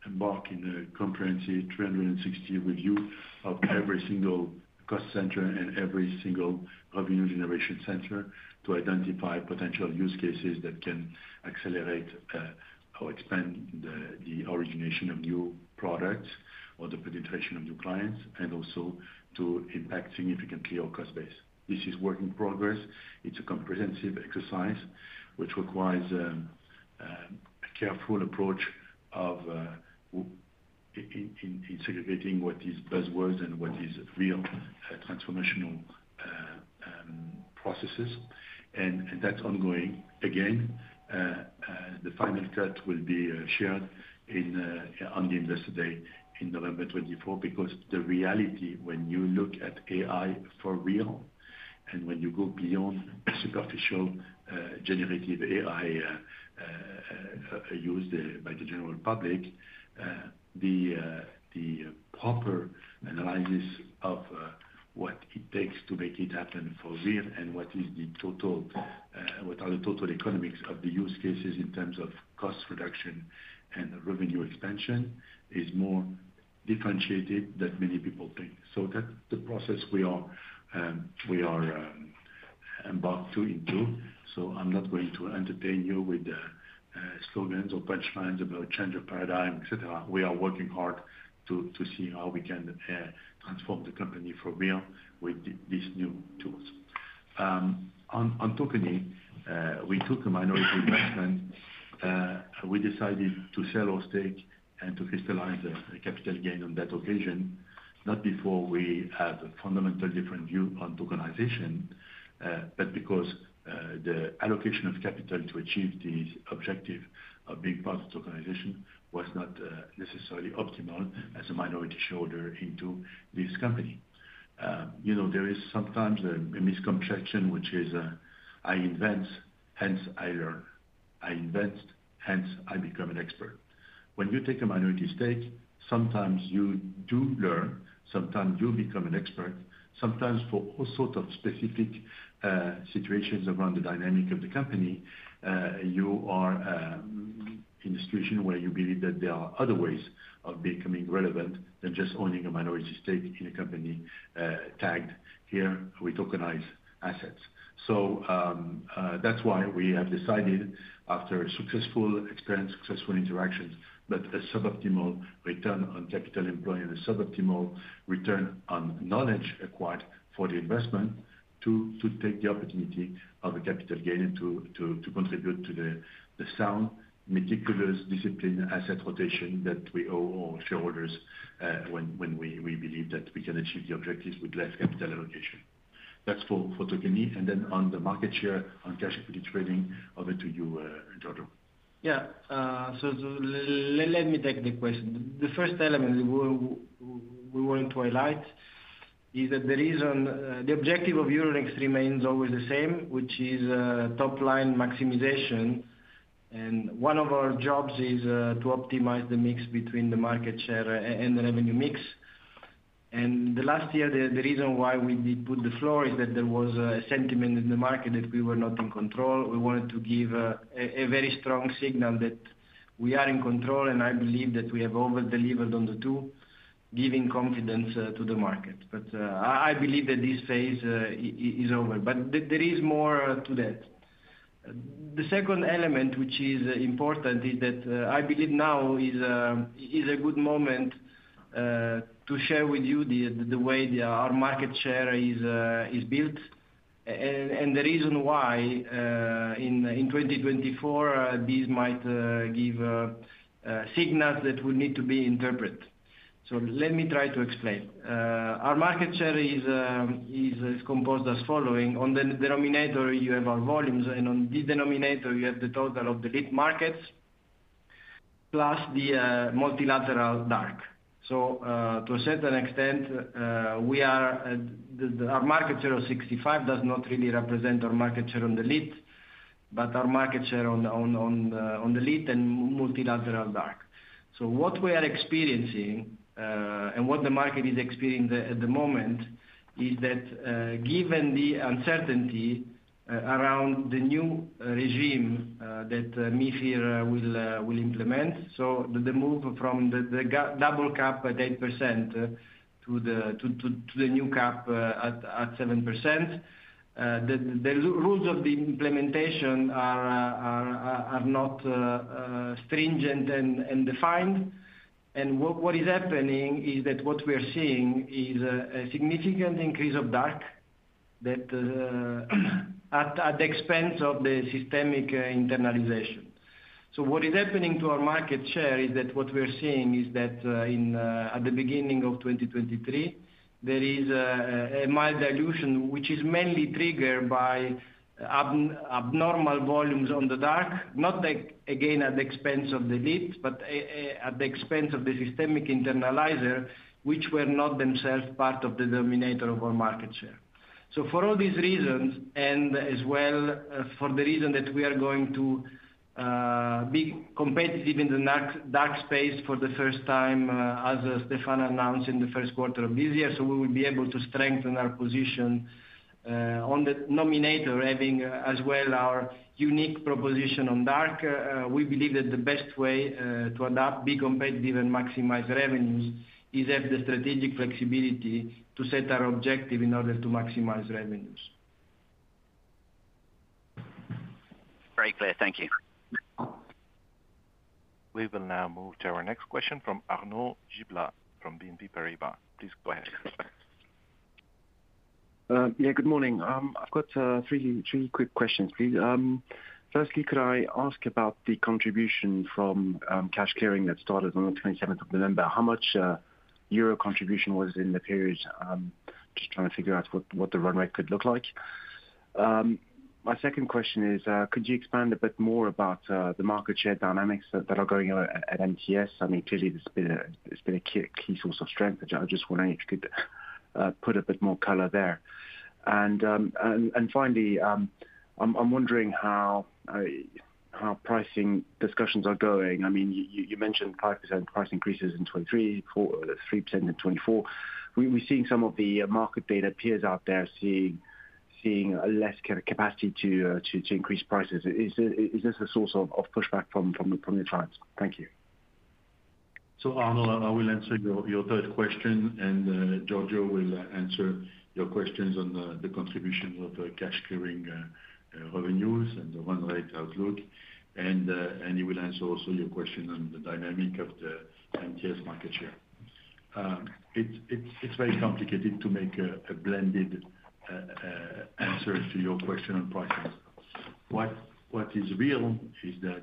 embarking on a comprehensive 360-degree review of every single cost center and every single revenue generation center to identify potential use cases that can accelerate or expand the origination of new products or the penetration of new clients and also to impact significantly our cost base. This is work in progress. It's a comprehensive exercise which requires a careful approach of segregating what is buzzwords and what is real transformational processes. That's ongoing. Again, the final cut will be shared on the Investors' Day in November 2024 because the reality, when you look at AI for real and when you go beyond superficial generative AI used by the general public, the proper analysis of what it takes to make it happen for real and what are the total economics of the use cases in terms of cost reduction and revenue expansion is more differentiated than many people think. So, that's the process we are embarked into. So, I'm not going to entertain you with slogans or punchlines about change of paradigm, etc. We are working hard to see how we can transform the company for real with these new tools. On Tokeny, we took a minority investment. We decided to sell our stake and to crystallize the capital gain on that occasion, not before we had a fundamentally different view on tokenization, but because the allocation of capital to achieve this objective of being part of tokenization was not necessarily optimal as a minority shareholder into this company. There is sometimes a misconception which is, "I invent, hence I learn. I invent, hence I become an expert." When you take a minority stake, sometimes you do learn. Sometimes you become an expert. Sometimes, for all sorts of specific situations around the dynamic of the company, you are in a situation where you believe that there are other ways of becoming relevant than just owning a minority stake in a company tagged here, "We tokenize assets." So, that's why we have decided, after successful experience, successful interactions, but a suboptimal return on capital employed and a suboptimal return on knowledge acquired for the investment to take the opportunity of the capital gain and to contribute to the sound, meticulous, disciplined asset rotation that we owe all shareholders when we believe that we can achieve the objectives with less capital allocation. That's for Tokeny. And then, on the market share, on cash equity trading, over to you, Giorgio. Yeah. So, let me take the question. The first element we wanted to highlight is that the objective of Euronext remains always the same, which is top-line maximization. One of our jobs is to optimize the mix between the market share and the revenue mix. The last year, the reason why we did put the floor is that there was a sentiment in the market that we were not in control. We wanted to give a very strong signal that we are in control, and I believe that we have overdelivered on the two, giving confidence to the market. I believe that this phase is over. There is more to that. The second element, which is important, is that I believe now is a good moment to share with you the way our market share is built and the reason why, in 2024, this might give signals that will need to be interpreted. So, let me try to explain. Our market share is composed as following. On the denominator, you have our volumes. And on the denominator, you have the total of the lit markets plus the multilateral dark. So, to a certain extent, our market share of 65 does not really represent our market share on the lit, but our market share on the lit and multilateral dark. So, what we are experiencing and what the market is experiencing at the moment is that, given the uncertainty around the new regime that MiFIR will implement, so the move from the double cap at 8% to the new cap at 7%, the rules of the implementation are not stringent and defined. And what is happening is that what we are seeing is a significant increase of dark at the expense of the systematic internalization. So, what is happening to our market share is that what we are seeing is that, at the beginning of 2023, there is a mild dilution, which is mainly triggered by abnormal volumes on the dark, not again at the expense of the lit, but at the expense of the Systematic Internalizer, which were not themselves part of the denominator of our market share. So, for all these reasons and as well for the reason that we are going to be competitive in the dark space for the first time, as Stéphane announced in the first quarter of this year, so we will be able to strengthen our position on the numerator, having as well our unique proposition on dark, we believe that the best way to adapt, be competitive, and maximize revenues is to have the strategic flexibility to set our objective in order to maximize revenues. Very clear. Thank you. We will now move to our next question from Arnaud Giblat from BNP Paribas. Please go ahead. Yeah. Good morning. I've got three quick questions, please. Firstly, could I ask about the contribution from cash clearing that started on the 27th of November? How much EUR contribution was in the period? Just trying to figure out what the run rate could look like. My second question is, could you expand a bit more about the market share dynamics that are going on at MTS? I mean, clearly, it's been a key source of strength. I just wonder if you could put a bit more color there. And finally, I'm wondering how pricing discussions are going. I mean, you mentioned 5% price increases in 2023, 3% in 2024. We're seeing some of the market data peers out there seeing less capacity to increase prices. Is this a source of pushback from your clients? Thank you. So, Arnaud, I will answer your third question. And Giorgio will answer your questions on the contributions of cash clearing revenues and the run rate outlook. And he will answer also your question on the dynamic of the MTS market share. It's very complicated to make a blended answer to your question on pricing. What is real is that,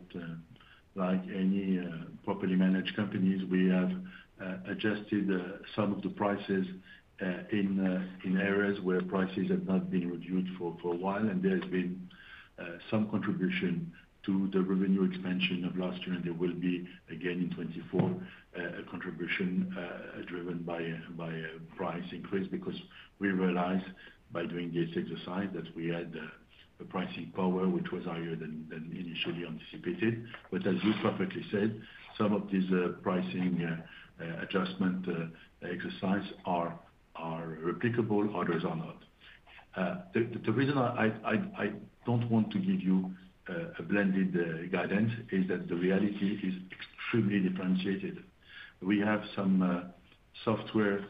like any properly managed companies, we have adjusted some of the prices in areas where prices have not been reviewed for a while. And there has been some contribution to the revenue expansion of last year. And there will be, again, in 2024, a contribution driven by a price increase because we realized, by doing this exercise, that we had a pricing power which was higher than initially anticipated. But as you perfectly said, some of these pricing adjustment exercises are replicable. Others are not. The reason I don't want to give you a blended guidance is that the reality is extremely differentiated. We have some software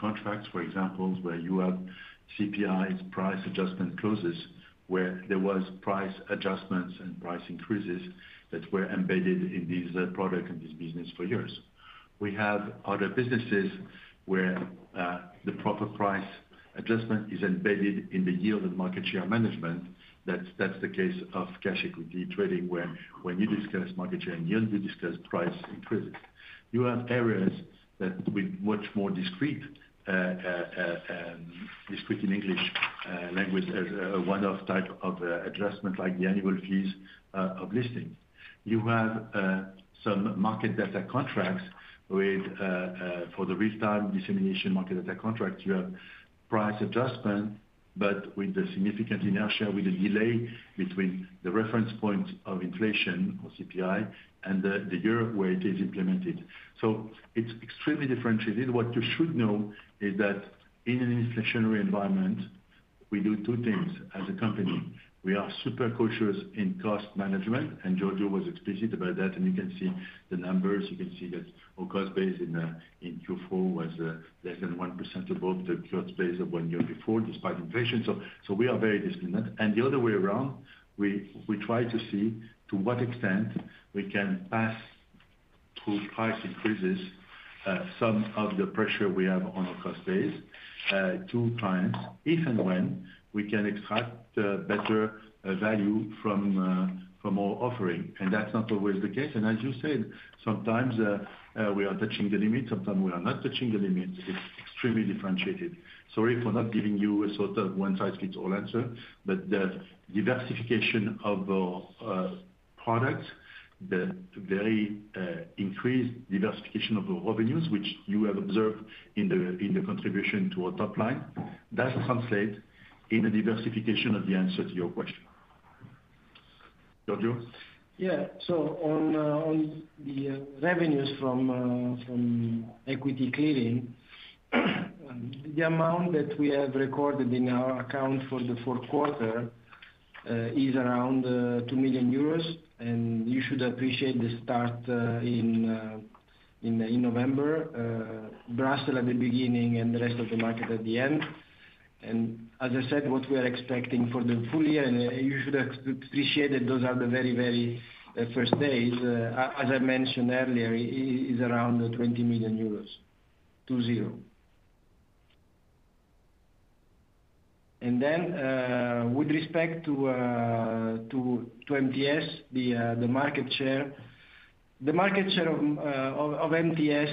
contracts, for example, where you have CPIs, price adjustment clauses, where there were price adjustments and price increases that were embedded in this product and this business for years. We have other businesses where the proper price adjustment is embedded in the yield and market share management. That's the case of cash equity trading, where when you discuss market share and yield, you discuss price increases. You have areas that with much more discrete in English language as one-off type of adjustment, like the annual fees of listing. You have some market data contracts. For the real-time dissemination market data contract, you have price adjustment but with the significant inertia, with the delay between the reference point of inflation or CPI and the year where it is implemented. So, it's extremely differentiated. What you should know is that, in an inflationary environment, we do two things as a company. We are super cautious in cost management. Giorgio was explicit about that. You can see the numbers. You can see that our cost base in Q4 was less than 1% above the cost base of one year before, despite inflation. So, we are very disciplined. The other way around, we try to see to what extent we can pass through price increases some of the pressure we have on our cost base to clients, if and when we can extract better value from our offering. That's not always the case. As you said, sometimes we are touching the limit. Sometimes we are not touching the limit. It's extremely differentiated. Sorry for not giving you a sort of one-size-fits-all answer, but the diversification of our product, the very increased diversification of our revenues, which you have observed in the contribution to our top line, does translate in a diversification of the answer to your question. Giorgio? Yeah. So, on the revenues from equity clearing, the amount that we have recorded in our account for the fourth quarter is around 2 million euros. And you should appreciate the start in November, Brussels at the beginning, and the rest of the market at the end. And as I said, what we are expecting for the full year and you should appreciate that those are the very, very first days, as I mentioned earlier, is around 20 million euros, 2-0. Then, with respect to MTS, the market share, the market share of MTS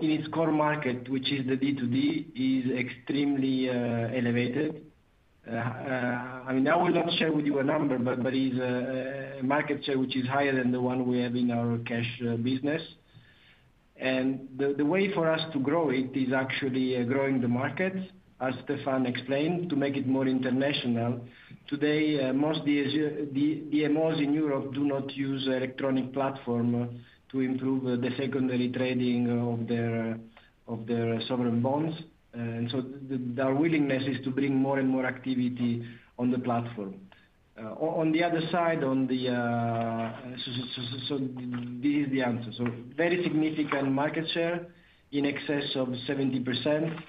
in its core market, which is the D2D, is extremely elevated. I mean, I will not share with you a number, but it is a market share which is higher than the one we have in our cash business. The way for us to grow it is actually growing the market, as Stéphane explained, to make it more international. Today, most DMOs in Europe do not use electronic platform to improve the secondary trading of their sovereign bonds. So, their willingness is to bring more and more activity on the platform. On the other side, this is the answer. Very significant market share in excess of 70%.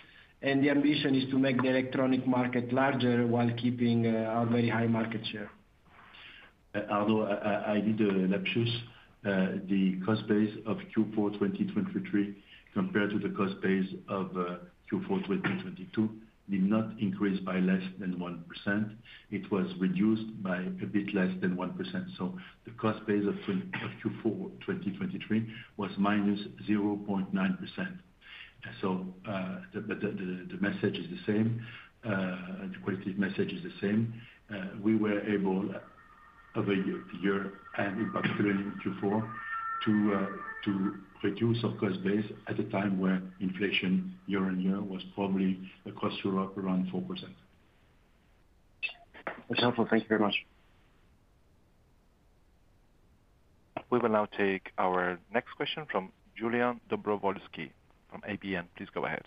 The ambition is to make the electronic market larger while keeping our very high market share. Arnaud, I did answer. The cost base of Q4 2023 compared to the cost base of Q4 2022 did not increase by less than 1%. It was reduced by a bit less than 1%. So, the cost base of Q4 2023 was minus 0.9%. So, but the message is the same. The qualitative message is the same. We were able, over the year and in particular in Q4, to reduce our cost base at a time where inflation, year-over-year, was probably across Europe around 4%. That's helpful. Thank you very much. We will now take our next question from Iulian Dobrovolschi from ABN. Please go ahead.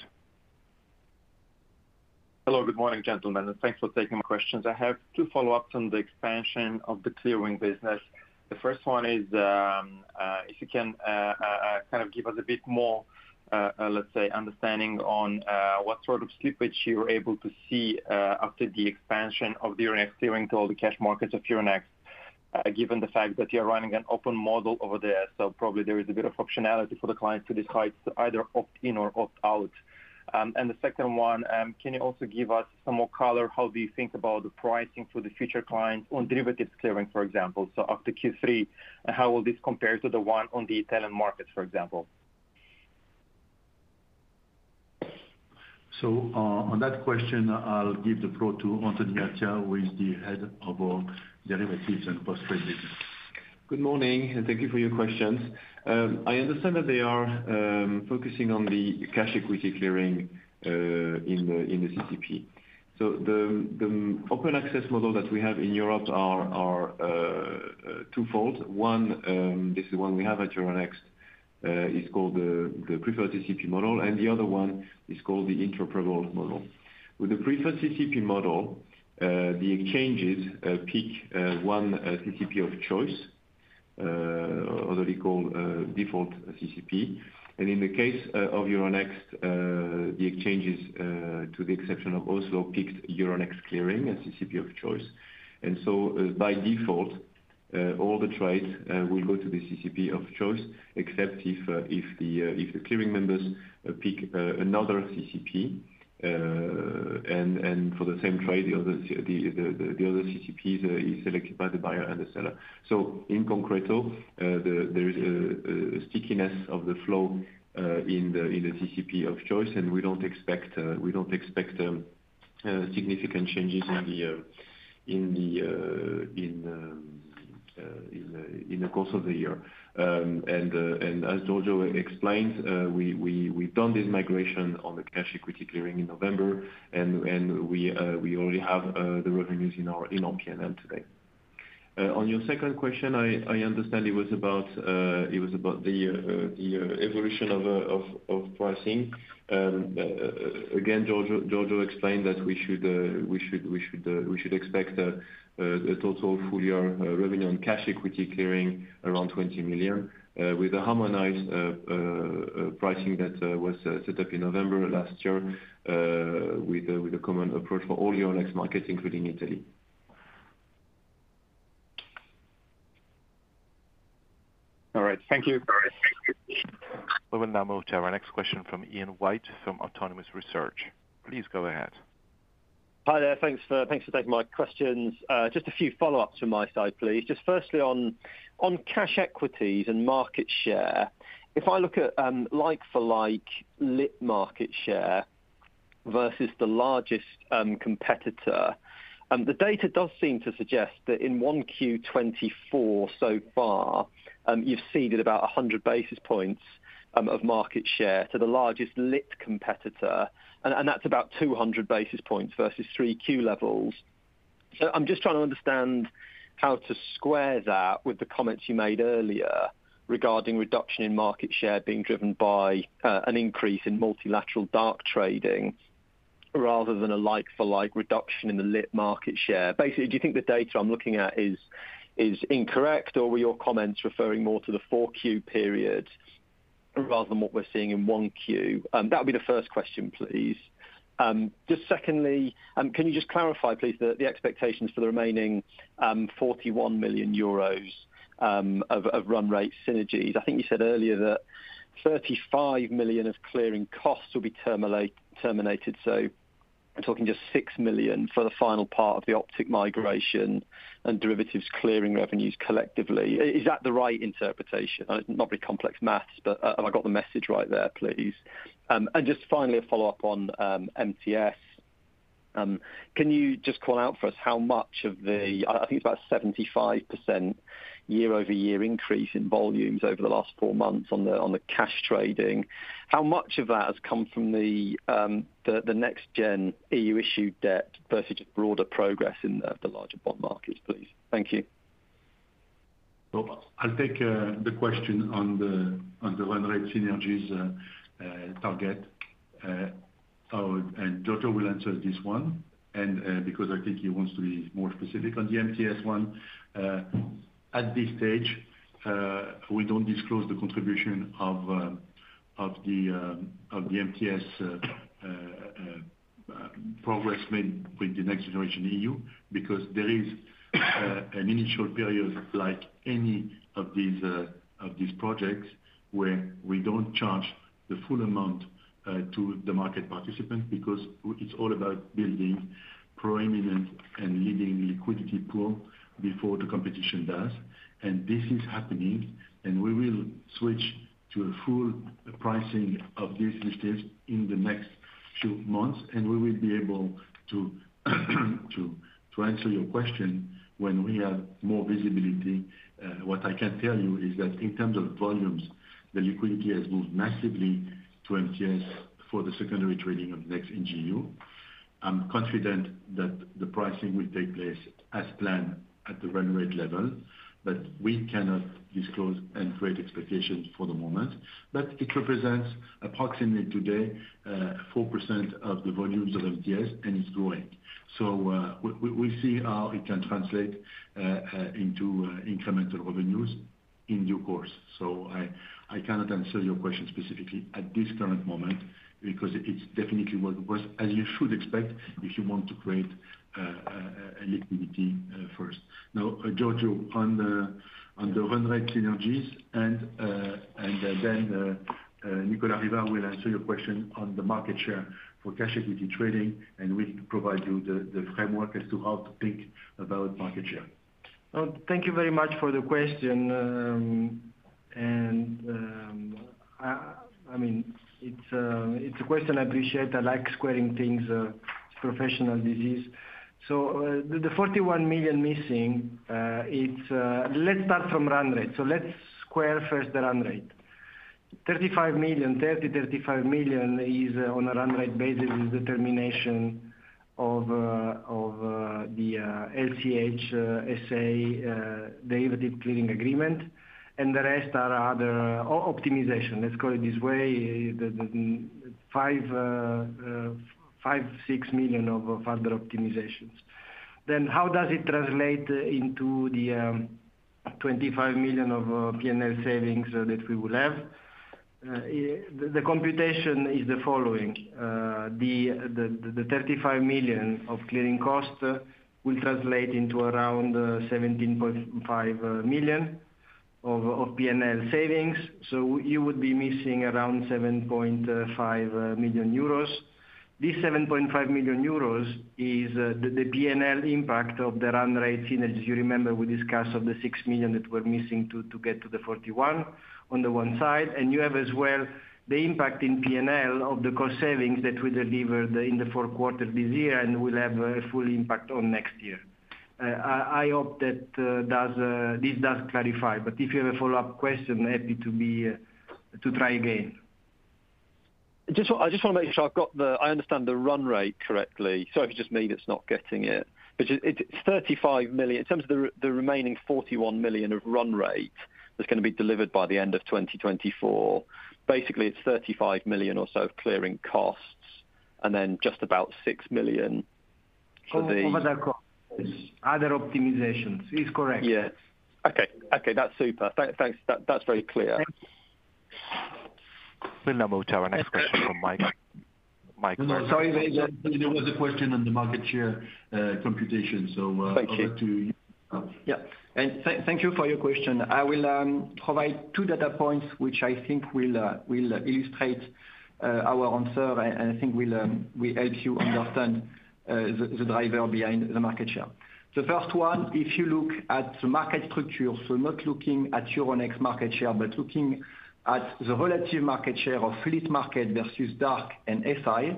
Hello. Good morning, gentlemen. And thanks for taking my questions. I have two follow-ups on the expansion of the clearing business. The first one is, if you can kind of give us a bit more, let's say, understanding on what sort of slippage you were able to see after the expansion of the Euronext Clearing to all the cash markets of Euronext, given the fact that you are running an open model over there. So, probably, there is a bit of optionality for the clients to decide to either opt in or opt out. And the second one, can you also give us some more color? How do you think about the pricing for the future clients on derivatives clearing, for example? So, after Q3, how will this compare to the one on the Italian markets, for example? So, on that question, I'll give the floor to Anthony Attia, who is the head of our derivatives and post-trade business. Good morning. And thank you for your questions. I understand that they are focusing on the cash equity clearing in the CCP. So, the open access model that we have in Europe are twofold. One, this is the one we have at Euronext, is called the preferred CCP model. And the other one is called the interoperable model. With the preferred CCP model, the exchanges pick one CCP of choice, otherly called default CCP. And in the case of Euronext, the exchanges, to the exception of Oslo, picked Euronext Clearing, a CCP of choice. And so, by default, all the trades will go to the CCP of choice except if the clearing members pick another CCP. And for the same trade, the other CCP is selected by the buyer and the seller. So, in concreto, there is a stickiness of the flow in the CCP of choice. And we don't expect significant changes in the course of the year. And as Giorgio explained, we've done this migration on the cash equity clearing in November. And we already have the revenues in our P&L today. On your second question, I understand it was about the evolution of pricing. Again, Giorgio explained that we should expect a total full-year revenue on cash equity clearing around 20 million with a harmonized pricing that was set up in November last year with a common approach for all Euronext markets, including Italy. All right. Thank you. We will now move to our next question from Ian White from Autonomous Research. Please go ahead. Hi there. Thanks for taking my questions. Just a few follow-ups from my side, please. Just firstly, on cash equities and market share, if I look at like-for-like lit market share versus the largest competitor, the data does seem to suggest that, in 1Q24 so far, you've ceded about 100 basis points of market share to the largest lit competitor. And that's about 200 basis points versus 3Q levels. So, I'm just trying to understand how to square that with the comments you made earlier regarding reduction in market share being driven by an increase in multilateral dark trading rather than a like-for-like reduction in the lit market share. Basically, do you think the data I'm looking at is incorrect? Or were your comments referring more to the 4Q period rather than what we're seeing in 1Q? That would be the first question, please. Just secondly, can you just clarify, please, the expectations for the remaining 41 million euros of run rate synergies? I think you said earlier that 35 million of clearing costs will be terminated. So, talking just 6 million for the final part of the Optiq migration and derivatives clearing revenues collectively. Is that the right interpretation? It's not very complex math. But have I got the message right there, please? And just finally, a follow-up on MTS. Can you just call out for us how much of the, I think it's about 75% year-over-year increase in volumes over the last four months on the cash trading. How much of that has come from the next-gen EU-issued debt versus just broader progress in the larger bond markets, please? Thank you. Well, I'll take the question on the run rate synergies target. And Giorgio will answer this one because I think he wants to be more specific on the MTS one. At this stage, we don't disclose the contribution of the MTS progress made with the NextGenerationEU because there is an initial period, like any of these projects, where we don't charge the full amount to the market participant because it's all about building a prominent and leading liquidity pool before the competition does. This is happening. We will switch to a full pricing of these initiatives in the next few months. We will be able to answer your question when we have more visibility. What I can tell you is that, in terms of volumes, the liquidity has moved massively to MTS for the secondary trading of the Next NGEU. I'm confident that the pricing will take place as planned at the run rate level. But we cannot disclose and create expectations for the moment. But it represents, approximately today, 4% of the volumes of MTS. And it's growing. So, we'll see how it can translate into incremental revenues in due course. So, I cannot answer your question specifically at this current moment because it's definitely working for us, as you should expect if you want to create liquidity first. Now, Giorgio, on the run rate synergies. And then, Nicolas Rivard will answer your question on the market share for cash equity trading. And we'll provide you the framework as to how to think about market share. Well, thank you very much for the question. And, I mean, it's a question I appreciate. I like squaring things. It's a professional disease. So, the 41 million missing, let's start from run rate. So, let's square first the run rate. 35 million, 30 million, 35 million is, on a run rate basis, the determination of the LCH SA derivative clearing agreement. And the rest are other optimizations. Let's call it this way, 5, 6 million of further optimizations. Then, how do es it translate into the 25 million of P&L savings that we will have? The computation is the following. The 35 million of clearing costs will translate into around 17.5 million of P&L savings. So, you would be missing around 7.5 million euros. These 7.5 million euros is the P&L impact of the run rate synergies. You remember, we discussed of the 6 million that were missing to get to the 41 million on the one side. And you have, as well, the impact in P&L of the cost savings that we delivered in the fourth quarter this year and will have a full impact on next year. I hope that this does clarify. But if you have a follow-up question, happy to try again. I just want to make sure I've got the I understand the run rate correctly. Sorry if it's just me that's not getting it. But it's 35 million. In terms of the remaining 41 million of run rate that's going to be delivered by the end of 2024, basically, it's 35 million or so of clearing costs and then just about 6 million for the other costs, other optimizations. It's correct. Yes. Okay. Okay. That's super. Thanks. That's very clear. We'll now move to our next question from Mike Werner. Sorry. There was a question on the market share computation. So, over to you. Thank you. Yeah. And thank you for your question. I will provide two data points, which I think will illustrate our answer. I think will help you understand the driver behind the market share. The first one, if you look at the market structure, so not looking at Euronext market share but looking at the relative market share of lit market versus dark and SI,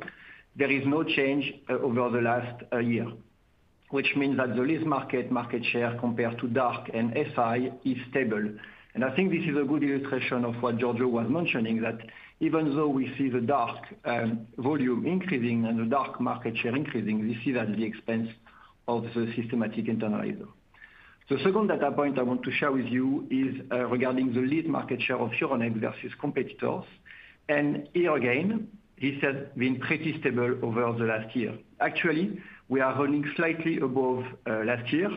there is no change over the last year, which means that the lit market market share compared to dark and SI is stable. I think this is a good illustration of what Giorgio was mentioning, that even though we see the dark volume increasing and the dark market share increasing, we see that the expense of the systematic internalizer. The second data point I want to share with you is regarding the lit market share of Euronext versus competitors. Here again, it has been pretty stable over the last year. Actually, we are running slightly above last year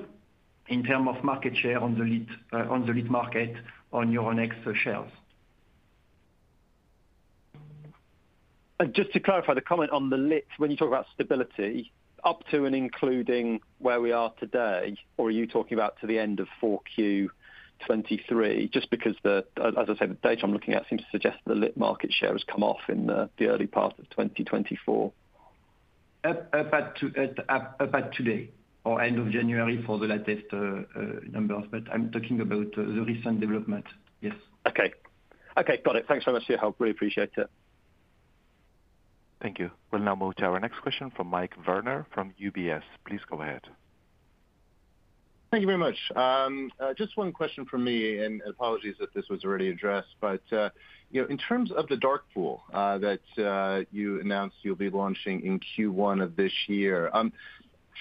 in terms of market share on the lit market on Euronext shares. Just to clarify the comment on the lit, when you talk about stability, up to and including where we are today, or are you talking about to the end of 4Q23? Just because, as I say, the data I'm looking at seems to suggest that the lit market share has come off in the early part of 2024. About today or end of January for the latest numbers. But I'm talking about the recent development. Yes. Okay. Okay. Got it. Thanks very much for your help. Really appreciate it. Thank you. We'll now move to our next question from Mike Werner from UBS. Please go ahead. Thank you very much. Just one question from me. Apologies if this was already addressed. But in terms of the dark pool that you announced you'll be launching in Q1 of this year,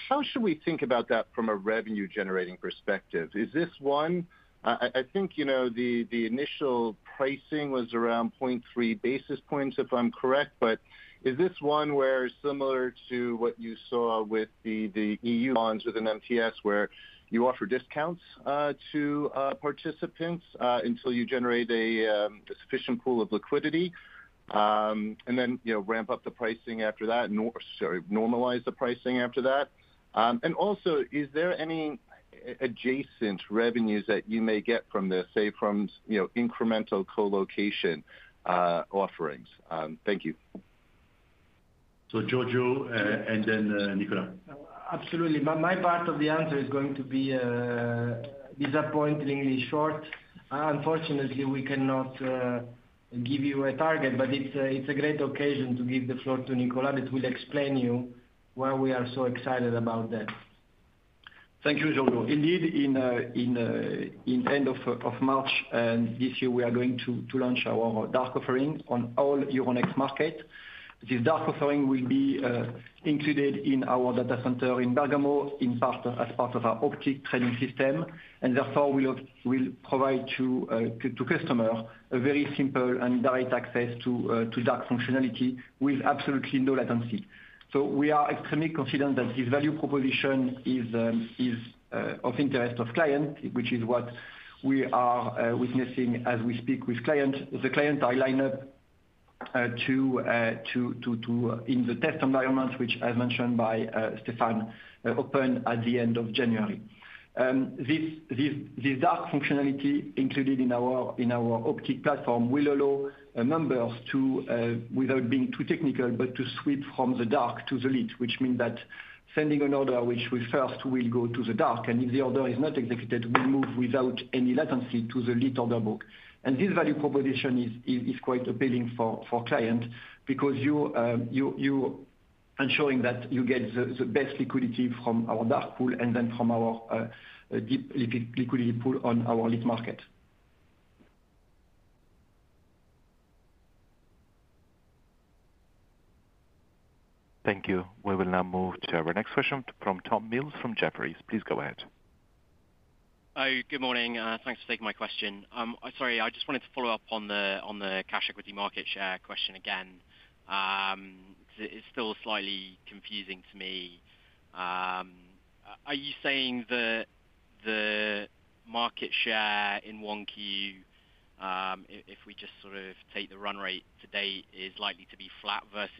how should we think about that from a revenue-generating perspective? Is this one I think the initial pricing was around 0.3 basis points, if I'm correct. But is this one where similar to what you saw with the EU bonds within MTS, where you offer discounts to participants until you generate a sufficient pool of liquidity and then ramp up the pricing after that sorry, normalize the pricing after that? And also, is there any adjacent revenues that you may get from this, say, from incremental colocation offerings? Thank you. So, Giorgio and then Nicolas. Absolutely. My part of the answer is going to be disappointingly short. Unfortunately, we cannot give you a target. But it's a great occasion to give the floor to Nicolas, that will explain you why we are so excited about that. Thank you, Giorgio. Indeed, at the end of March this year, we are going to launch our dark offering on all Euronext markets. This dark offering will be included in our data center in Bergamo as part of our Optiq trading system. And therefore, we'll provide to customers a very simple and direct access to dark functionality with absolutely no latency. So, we are extremely confident that this value proposition is of interest of clients, which is what we are witnessing as we speak with clients. The clients are lined up in the test environment, which, as mentioned by Stéphane, opened at the end of January. This dark functionality included in our Optiq platform will allow members, without being too technical, but to sweep from the dark to the lit, which means that sending an order, which we first will go to the dark. And if the order is not executed, we move without any latency to the lit order book. And this value proposition is quite appealing for clients because you're ensuring that you get the best liquidity from our dark pool and then from our deep liquidity pool on our lit market. Thank you. We will now move to our next question from Tom Mills from Jefferies. Please go ahead. Hi. Good morning. Thanks for taking my question. Sorry. I just wanted to follow up on the cash equity market share question again because it's still slightly confusing to me. Are you saying the market share in 1Q, if we just sort of take the run rate to date, is likely to be flat versus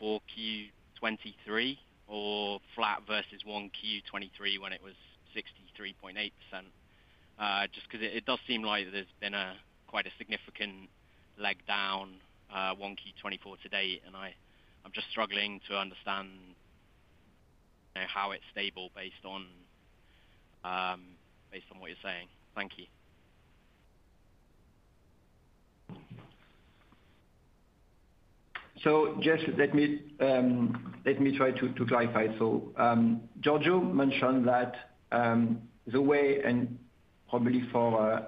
4Q23 or flat versus 1Q23 when it was 63.8%? Just because it does seem like there's been quite a significant leg down 1Q24 to date. And I'm just struggling to understand how it's stable based on what you're saying. Thank you. So, Jess, let me try to clarify. So, Giorgio mentioned that the way and probably for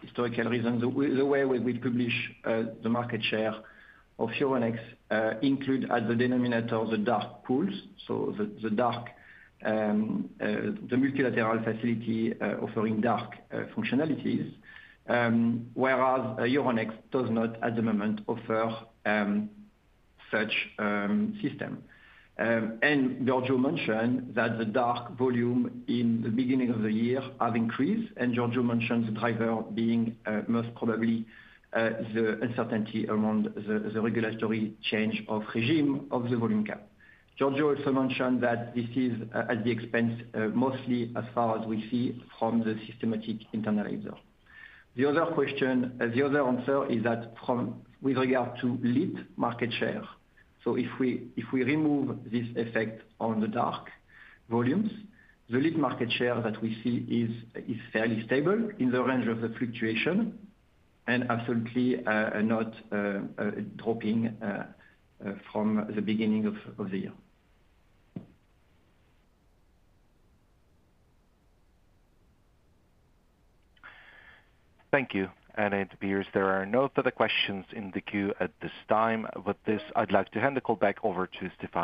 historical reasons, the way we publish the market share of Euronext includes as the denominator the dark pools, so the multilateral facility offering dark functionalities, whereas Euronext does not, at the moment, offer such a system. And Giorgio mentioned that the dark volume in the beginning of the year have increased. Giorgio mentioned the driver being most probably the uncertainty around the regulatory change of regime of the volume cap. Giorgio also mentioned that this is at the expense mostly as far as we see from the Systematic Internalizer. The other question, the other answer is that with regard to lit market share, so if we remove this effect on the dark volumes, the lit market share that we see is fairly stable in the range of the fluctuation and absolutely not dropping from the beginning of the year. Thank you. Appears there are no further questions in the queue at this time. With this, I'd like to hand the call back over to Stéphane.